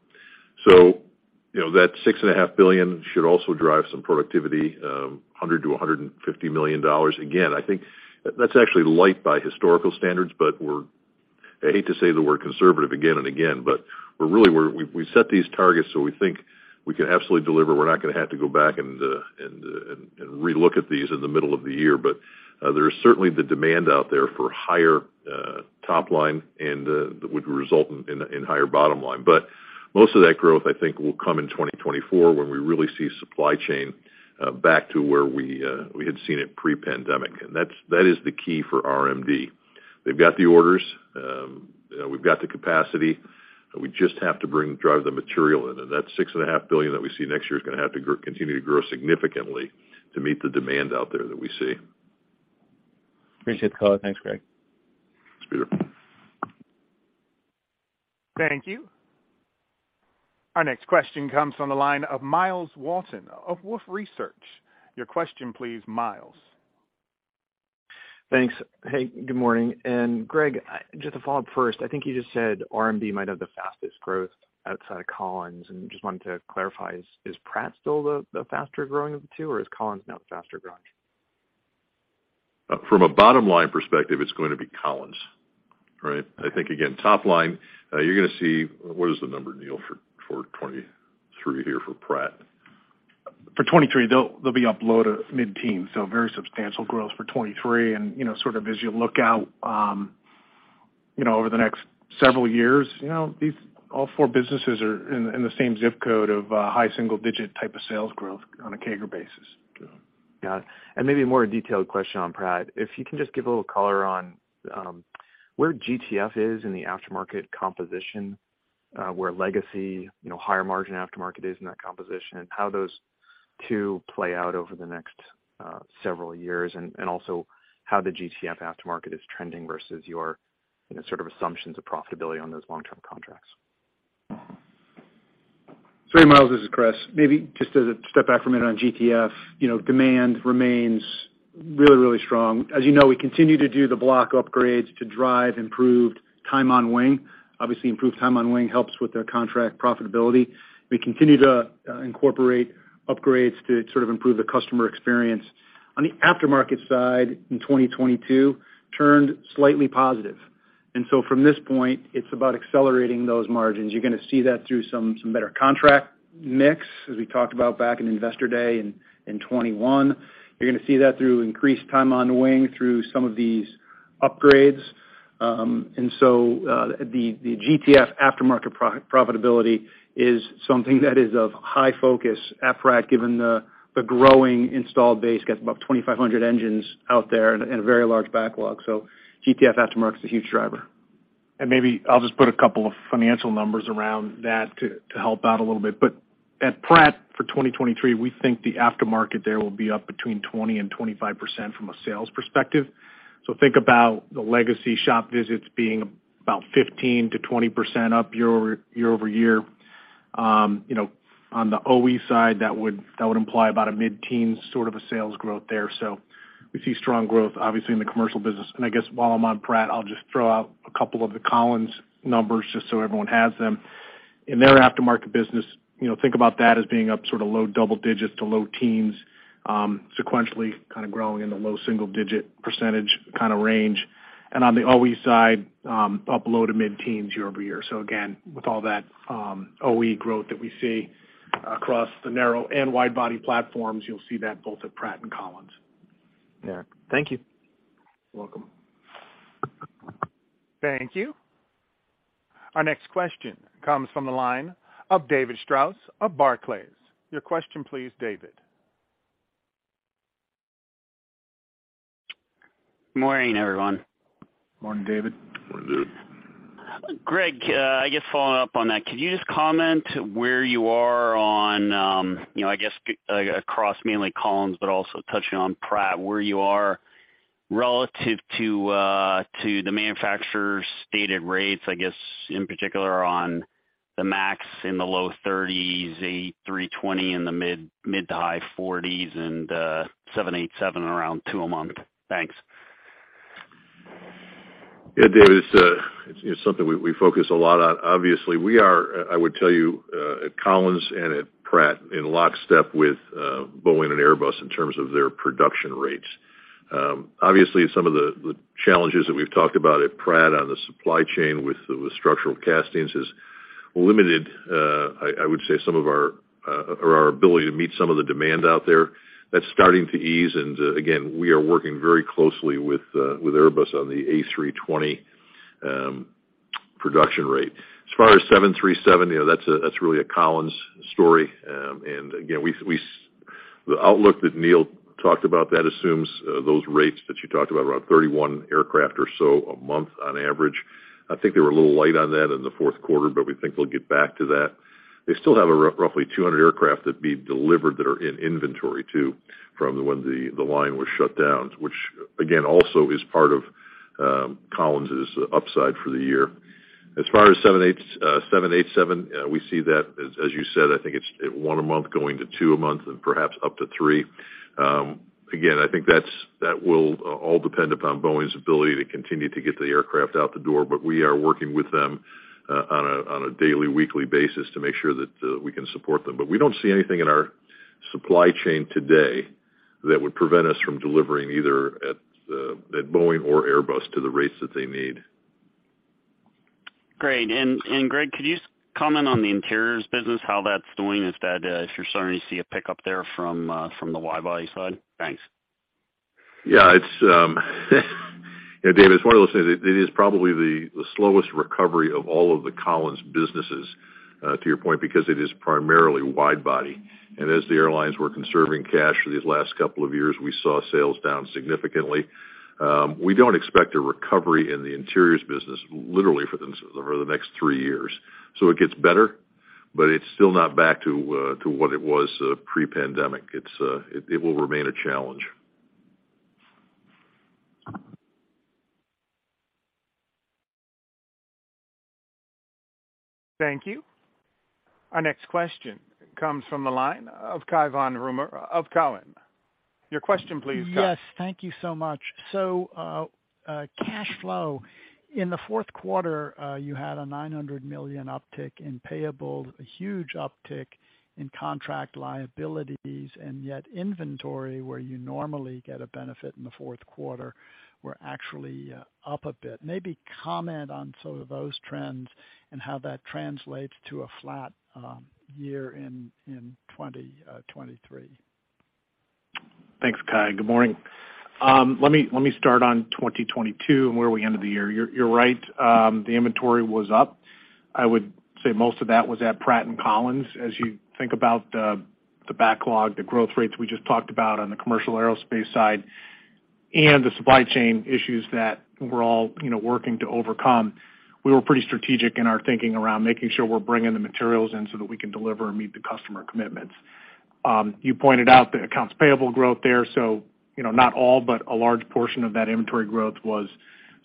[SPEAKER 2] You know, that $6.5 billion should also drive some productivity, $100 million to $150 million. I think that's actually light by historical standards, but I hate to say the word conservative again and again, but we're really, we set these targets. We think we can absolutely deliver. We're not gonna have to go back and relook at these in the middle of the year. There is certainly the demand out there for higher top line and that would result in higher bottom line. Most of that growth, I think will come in 2024 when we really see supply chain back to where we had seen it pre-pandemic. That is the key for RMD. They've got the orders, you know, we've got the capacity, but we just have to drive the material in. That $6.5 billion that we see next year is gonna have to continue to grow significantly to meet the demand out there that we see.
[SPEAKER 9] Appreciate the color. Thanks, Greg.
[SPEAKER 2] Thanks, Peter.
[SPEAKER 1] Thank you. Our next question comes on the line of Myles Walton of Wolfe Research. Your question please, Myles.
[SPEAKER 10] Thanks. Hey, good morning. Greg, just to follow up first, I think you just said RMD might have the fastest growth outside of Collins. Just wanted to clarify, is Pratt still the faster growing of the two, or is Collins now the faster growing?
[SPEAKER 2] from a bottom line perspective, it's going to be Collins, right? I think again, top line, What is the number, Neil, for 2023 here for Pratt?
[SPEAKER 4] For 2023, they'll be up low to mid-teen, so very substantial growth for 2023. You know, sort of as you look out, you know, over the next several years, you know, all four businesses are in the same zip code of high single digit type of sales growth on a CAGR basis.
[SPEAKER 2] Yeah.
[SPEAKER 10] Got it. Maybe a more detailed question on Pratt. If you can just give a little color on where GTF is in the aftermarket composition, where legacy, you know, higher margin aftermarket is in that composition, and how those two play out over the next several years, and also how the GTF aftermarket is trending versus your, you know, sort of assumptions of profitability on those long-term contracts.
[SPEAKER 3] Sorry, Myles. This is Chris. Maybe just as a step back for a minute on GTF, you know, demand remains really, really strong. As you know, we continue to do the block upgrades to drive improved time on wing. Obviously, improved time on wing helps with their contract profitability. We continue to incorporate upgrades to sort of improve the customer experience. On the aftermarket side, in 2022 turned slightly positive. From this point, it's about accelerating those margins. You're gonna see that through some better contract mix, as we talked about back in Investor Day in 2021. You're gonna see that through increased time on wing through some of these upgrades. The GTF aftermarket pro-profitability is something that is of high focus at Pratt, given the growing installed base, got about 2,500 engines out there and a very large backlog. GTF aftermarket is a huge driver. Maybe I'll just put a couple of financial numbers around that to help out a little bit. At Pratt for 2023, we think the aftermarket there will be up between 20% to 25% from a sales perspective. Think about the legacy shop visits being about 15% to 20% up year over year. You know, on the OE side, that would imply about a mid-teen sort of a sales growth there. We see strong growth, obviously, in the commercial business. I guess while I'm on Pratt, I'll just throw out a couple of the Collins numbers just so everyone has them. In their aftermarket business, you know, think about that as being up sort of low double-digits to low teens, sequentially kind of growing in the low single-digit % kind of range. On the OE side, up low to mid-teens year-over-year. Again, with all that, OE growth that we see across the narrow-body and wide-body platforms, you'll see that both at Pratt and Collins.
[SPEAKER 10] Yeah. Thank you.
[SPEAKER 4] You're welcome.
[SPEAKER 1] Thank you. Our next question comes from the line of David Strauss of Barclays. Your question, please, David.
[SPEAKER 11] Morning, everyone.
[SPEAKER 4] Morning, David.
[SPEAKER 2] Morning, David.
[SPEAKER 11] Greg, I guess following up on that, could you just comment where you are on, you know, I guess, across mainly Collins, but also touching on Pratt, where you are relative to the manufacturer's stated rates, I guess, in particular on the MAX in the low 30s, A320 in the mid- to high 40s, and 787 around two a month? Thanks.
[SPEAKER 2] Yeah, David, it's, you know, something we focus a lot on. Obviously, we are, I would tell you, at Collins and at Pratt, in lockstep with Boeing and Airbus in terms of their production rates. Obviously, some of the challenges that we've talked about at Pratt on the supply chain with structural castings has limited, I would say some of our, or our ability to meet some of the demand out there. That's starting to ease, and again, we are working very closely with Airbus on the A320 production rate. As far as 737, you know, that's a, that's really a Collins story. And again, we the outlook that Neil talked about, that assumes, those rates that you talked about, around 31 aircraft or so a month on average. I think they were a little light on that in the Q4. We think they'll get back to that. They still have roughly 200 aircraft that need delivered that are in inventory too, from when the line was shut down, which again, also is part of Collins' upside for the year. As far as 787, we see that as you said, I think it's one a month going to two a month and perhaps up to three. Again, I think that's, that will all depend upon Boeing's ability to continue to get the aircraft out the door. We are working with them on a daily, weekly basis to make sure that we can support them. We don't see anything in our supply chain today that would prevent us from delivering either at Boeing or Airbus to the rates that they need.
[SPEAKER 11] Great. Greg, could you comment on the interiors business, how that's doing? Is that, if you're starting to see a pickup there from the wide-body side? Thanks.
[SPEAKER 2] Yeah, it's, yeah, David, it's one of those things. It is probably the slowest recovery of all of the Collins businesses, to your point, because it is primarily wide-body. As the airlines were conserving cash for these last couple of years, we saw sales down significantly. We don't expect a recovery in the interiors business literally for the next three years. It gets better, but it's still not back to what it was, pre-pandemic. It's, it will remain a challenge.
[SPEAKER 1] Thank you. Our next question comes from the line of Cai von Rumohr of Cowen. Your question, please, Cai.
[SPEAKER 12] Yes. Thank you so much. Cash flow. In the Q4, you had a $900 million uptick in payable, a huge uptick in contract liabilities, and yet inventory, where you normally get a benefit in the Q4, were actually up a bit. Maybe comment on some of those trends and how that translates to a flat year in 2023?
[SPEAKER 4] Thanks, Cai. Good morning. Let me start on 2022 and where we ended the year. You're right, the inventory was up. I would say most of that was at Pratt and Collins. As you think about the backlog, the growth rates we just talked about on the commercial aerospace side and the supply chain issues that we're all, you know, working to overcome, we were pretty strategic in our thinking around making sure we're bringing the materials in so that we can deliver and meet the customer commitments. You pointed out the accounts payable growth there, so, you know, not all, but a large portion of that inventory growth was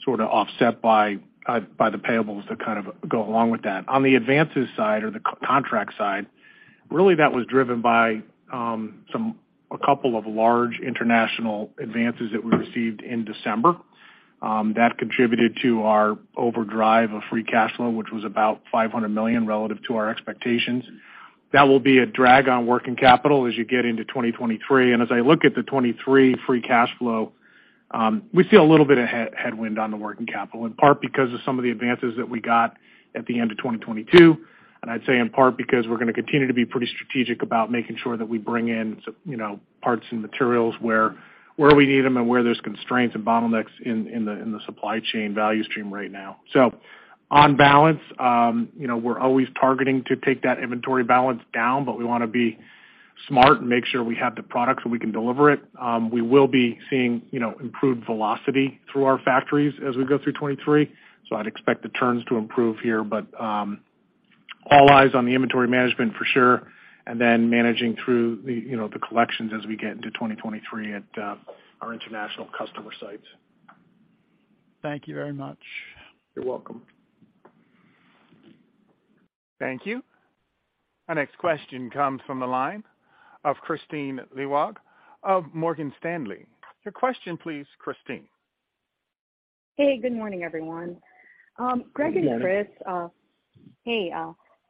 [SPEAKER 4] sort of offset by the payables to kind of go along with that. On the advances side or the contract side, really that was driven by a couple of large international advances that we received in December. That contributed to our overdrive of free cash flow, which was about $500 million relative to our expectations. That will be a drag on working capital as you get into 2023. As I look at the 2023 free cash flow, we see a little bit of headwind on the working capital, in part because of some of the advances that we got at the end of 2022, and I'd say in part because we're gonna continue to be pretty strategic about making sure that we bring in you know, parts and materials where we need them and where there's constraints and bottlenecks in the supply chain value stream right now. On balance, you know, we're always targeting to take that inventory balance down, but we wanna be smart and make sure we have the product so we can deliver it. We will be seeing, you know, improved velocity through our factories as we go through 2023, so I'd expect the turns to improve here. All eyes on the inventory management for sure, and then managing through the, you know, the collections as we get into 2023 at our international customer sites.
[SPEAKER 12] Thank you very much.
[SPEAKER 3] You're welcome.
[SPEAKER 1] Thank you. Our next question comes from the line of Kristine Liwag of Morgan Stanley. Your question please, Kristine.
[SPEAKER 13] Hey, good morning, everyone. Greg Hayes and Chris Calio, hey,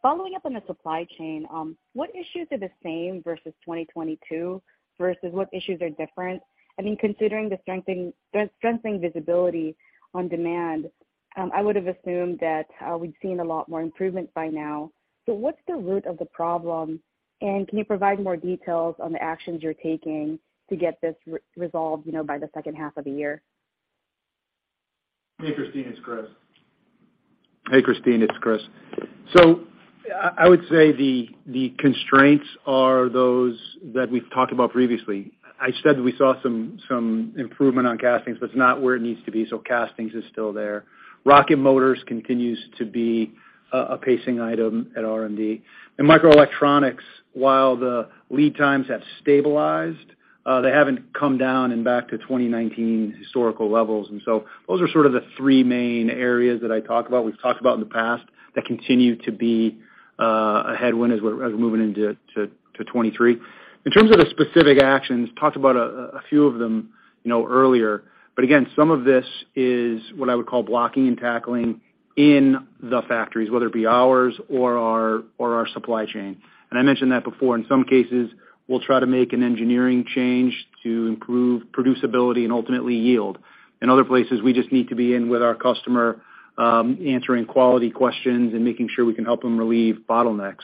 [SPEAKER 13] following up on the supply chain, what issues are the same versus 2022 versus what issues are different? I mean, considering the strengthening visibility on demand, I would've assumed that we'd seen a lot more improvement by now. What's the root of the problem? Can you provide more details on the actions you're taking to get this re-resolved, you know, by the second half of the year?
[SPEAKER 3] Hey, Kristine. It's Chris. I would say the constraints are those that we've talked about previously. I said we saw some improvement on castings, but it's not where it needs to be, so castings is still there. Rocket motors continues to be a pacing item at R&D. In microelectronics, while the lead times have stabilized, they haven't come down and back to 2019 historical levels. Those are sort of the three main areas that I talk about, we've talked about in the past that continue to be a headwind as we're moving into 2023. In terms of the specific actions, talked about a few of them, you know, earlier, but again, some of this is what I would call blocking and tackling in the factories, whether it be ours or our supply chain. I mentioned that before. In some cases, we'll try to make an engineering change to improve producibility and ultimately yield. In other places, we just need to be in with our customer, answering quality questions and making sure we can help them relieve bottlenecks.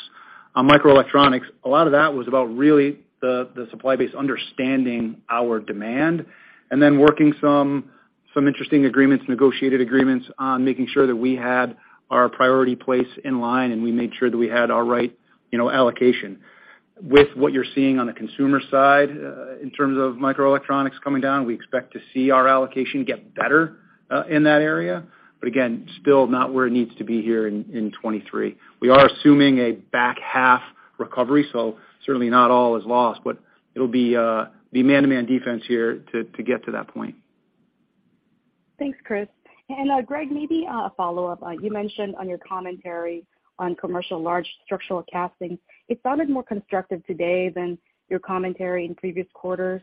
[SPEAKER 3] On microelectronics, a lot of that was about really the supply base understanding our demand and then working some interesting agreements, negotiated agreements on making sure that we had our priority place in line, and we made sure that we had our right, you know, allocation. With what you're seeing on the consumer side, in terms of microelectronics coming down, we expect to see our allocation get better, in that area, but again, still not where it needs to be here in 2023. We are assuming a back half recovery, so certainly not all is lost, but it'll be man-to-man defense here to get to that point.
[SPEAKER 13] Thanks, Chris. Greg, maybe a follow-up. You mentioned on your commentary on commercial large structural casting, it sounded more constructive today than your commentary in previous quarters.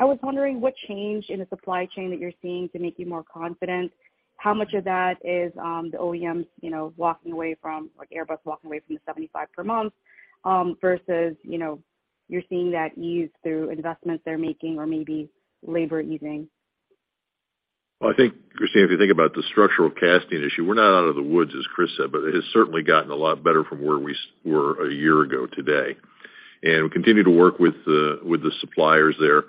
[SPEAKER 13] I was wondering what changed in the supply chain that you're seeing to make you more confident. How much of that is the OEMs, you know, walking away from, like Airbus walking away from the 75 per month, versus, you know, you're seeing that ease through investments they're making or maybe labor easing?
[SPEAKER 2] I think, Kristine, if you think about the structural casting issue, we're not out of the woods, as Chris said, but it has certainly gotten a lot better from where we were a year ago today. We continue to work with the suppliers there,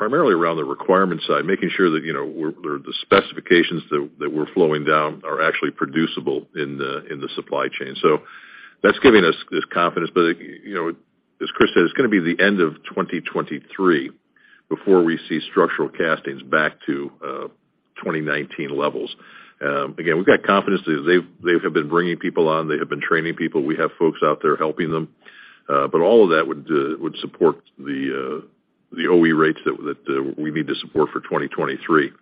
[SPEAKER 2] primarily around the requirement side, making sure that, you know, we're, the specifications that we're flowing down are actually producible in the supply chain. That's giving us this confidence. You know, as Chris said, it's gonna be the end of 2023 before we see structural castings back to 2019 levels. Again, we've got confidence that they have been bringing people on. They have been training people. We have folks out there helping them. All of that would support the OE rates that, we need to support for 2023.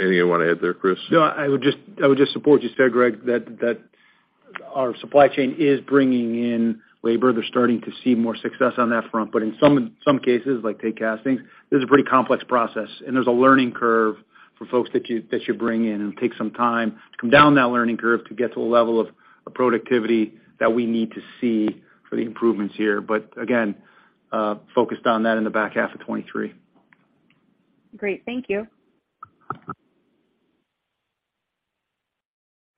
[SPEAKER 2] Anything you wanna add there, Chris?
[SPEAKER 3] No, I would just support you, Greg, that our supply chain is bringing in labor. They're starting to see more success on that front. In some cases, like take castings, this is a pretty complex process, and there's a learning curve for folks that you bring in, and it takes some time to come down that learning curve to get to a level of productivity that we need to see for the improvements here. Again, focused on that in the back half of 2023.
[SPEAKER 13] Great. Thank you.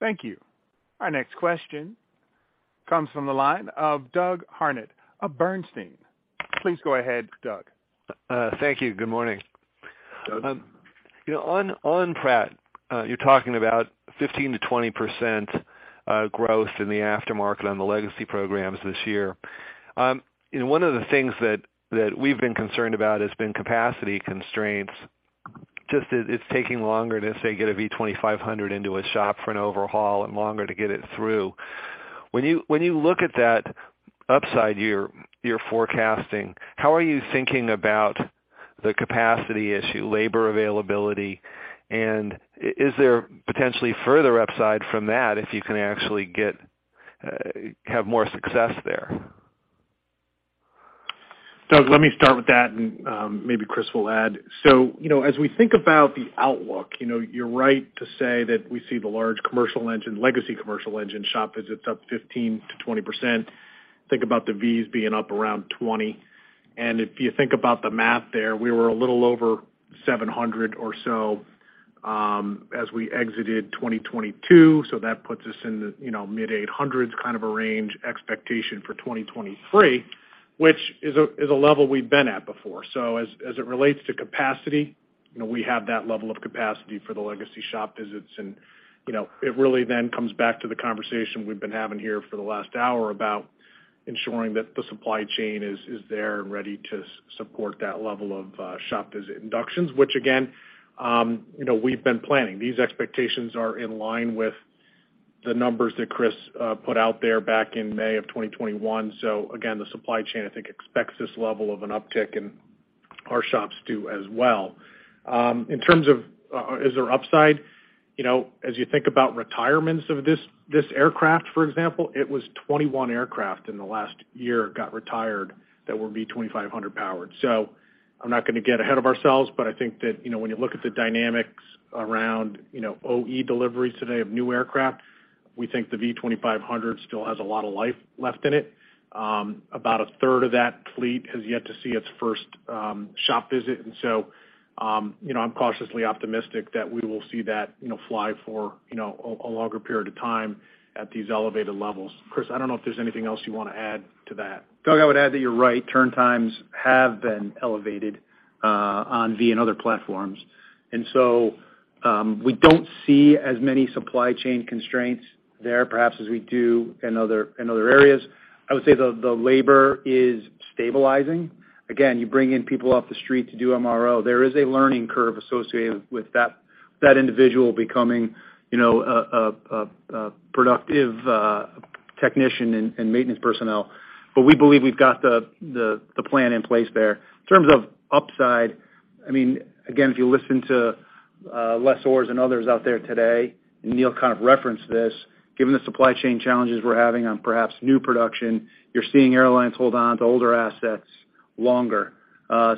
[SPEAKER 1] Thank you. Our next question comes from the line of Doug Harned of Bernstein. Please go ahead, Doug.
[SPEAKER 14] Thank you. Good morning.
[SPEAKER 3] Doug.
[SPEAKER 14] you know, on Pratt, you're talking about 15% to 20% growth in the aftermarket on the legacy programs this year. you know, one of the things that we've been concerned about has been capacity constraints, just it's taking longer to, say, get a V2500 into a shop for an overhaul and longer to get it through. When you, when you look at that upside you're forecasting, how are you thinking about the capacity issue, labor availability? Is there potentially further upside from that if you can actually get, have more success there?
[SPEAKER 4] Doug, let me start with that, maybe Chris will add. you know, as we think about the outlook, you know, you're right to say that we see the large legacy commercial engine shop visits up 15% to 20%. Think about the Vs being up around 20. If you think about the math there, we were a little over 700 or so, as we exited 2022, that puts us in the, you know, mid-eight hundreds kind of a range expectation for 2023, which is a level we've been at before. As it relates to capacity, you know, we have that level of capacity for the legacy shop visits, and, you know, it really then comes back to the conversation we've been having here for the last hour about ensuring that the supply chain is there and ready to support that level of shop visit inductions. Which again, you know, we've been planning. These expectations are in line with the numbers that Chris put out there back in May of 2021. Again, the supply chain, I think, expects this level of an uptick, and our shops do as well. In terms of, is there upside, you know, as you think about retirements of this aircraft, for example, it was 21 aircraft in the last year got retired that were V2500 powered. I'm not gonna get ahead of ourselves, but I think that, you know, when you look at the dynamics around, you know, OE deliveries today of new aircraft, we think the V2500 still has a lot of life left in it. About a third of that fleet has yet to see its first shop visit. You know, I'm cautiously optimistic that we will see that, you know, fly for, you know, a longer period of time at these elevated levels. Chris, I don't know if there's anything else you wanna add to that.
[SPEAKER 3] Doug, I would add that you're right. Turn times have been elevated, on V and other platforms. So, we don't see as many supply chain constraints there, perhaps as we do in other areas. I would say the labor is stabilizing. Again, you bring in people off the street to do MRO. There is a learning curve associated with that individual becoming, you know, a productive technician and maintenance personnel. We believe we've got the plan in place there. In terms of upside, I mean, again, if you listen to lessors and others out there today, and Neil kind of referenced this, given the supply chain challenges we're having on perhaps new production, you're seeing airlines hold on to older assets longer,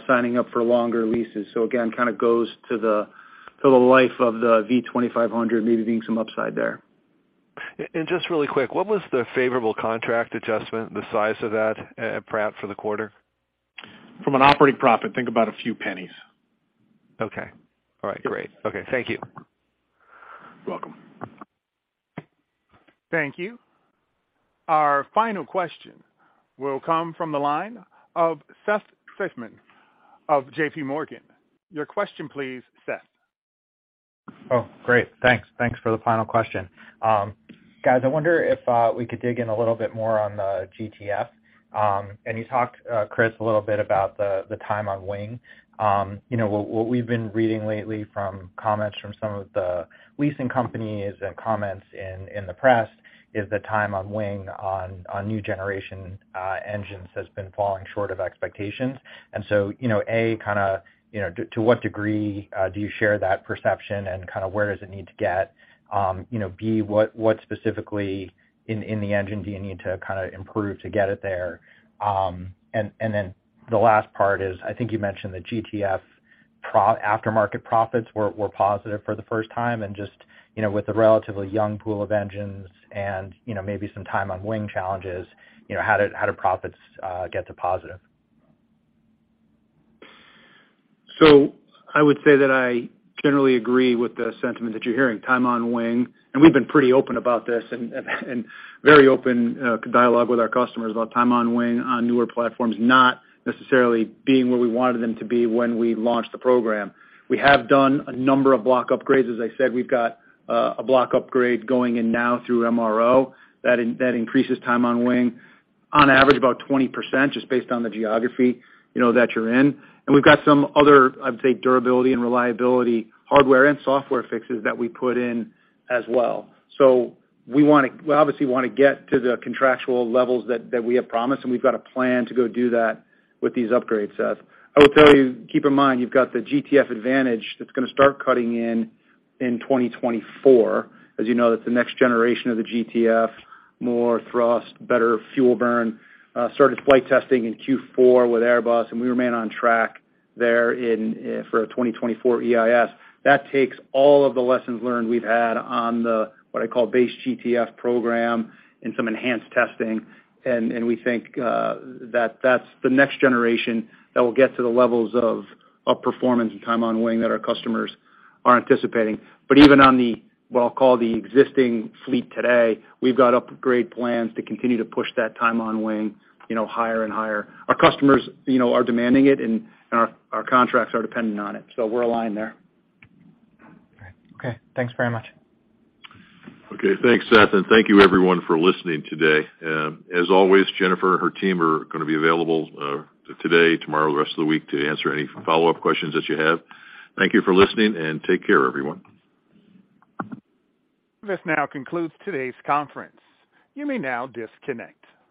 [SPEAKER 3] signing up for longer leases. Again, kind of goes to the life of the V2500 maybe being some upside there.
[SPEAKER 14] Just really quick, what was the favorable contract adjustment, the size of that, perhaps for the quarter?
[SPEAKER 3] From an operating profit, think about a few pennies.
[SPEAKER 14] Okay. All right. Great. Okay. Thank you.
[SPEAKER 3] You're welcome.
[SPEAKER 1] Thank you. Our final question will come from the line of Seth Seifman of JPMorgan. Your question please, Seth.
[SPEAKER 15] Oh, great. Thanks. Thanks for the final question. Guys, I wonder if we could dig in a little bit more on the GTF. You talked, Chris, a little bit about the time on wing. You know, what we've been reading lately from comments from some of the leasing companies and comments in the press is the time on wing on new generation engines has been falling short of expectations. You know, A, kinda, you know, to what degree do you share that perception and kinda where does it need to get? You know, B, what specifically in the engine do you need to kinda improve to get it there? The last part is, I think you mentioned the GTF aftermarket profits were positive for the first time, and just, you know, with the relatively young pool of engines and, you know, maybe some time on wing challenges, you know, how do profits get to positive?
[SPEAKER 3] I would say that I generally agree with the sentiment that you're hearing, time on wing. We've been pretty open about this and very open dialogue with our customers about time on wing on newer platforms, not necessarily being where we wanted them to be when we launched the program. We have done a number of block upgrades. As I said, we've got a block upgrade going in now through MRO that increases time on wing. On average, about 20% just based on the geography, you know, that you're in. We've got some other, I'd say, durability and reliability, hardware and software fixes that we put in as well. We obviously wanna get to the contractual levels that we have promised, and we've got a plan to go do that with these upgrades, Seth. I will tell you, keep in mind, you've got the GTF Advantage that's gonna start cutting in in 2024. As you know, that's the next generation of the GTF, more thrust, better fuel burn. Started flight testing in Q4 with Airbus, we remain on track there for a 2024 EIS. That takes all of the lessons learned we've had on the, what I call base GTF program and some enhanced testing. We think that that's the next generation that will get to the levels of performance and time on wing that our customers are anticipating. Even on the, what I'll call the existing fleet today, we've got upgrade plans to continue to push that time on wing, you know, higher and higher. Our customers, you know, are demanding it, and our contracts are dependent on it. We're aligned there.
[SPEAKER 15] Okay. Thanks very much.
[SPEAKER 4] Okay. Thanks, Seth, and thank you everyone for listening today. As always, Jennifer and her team are gonna be available, today, tomorrow, the rest of the week to answer any follow-up questions that you have. Thank you for listening, and take care, everyone.
[SPEAKER 1] This now concludes today's conference. You may now disconnect.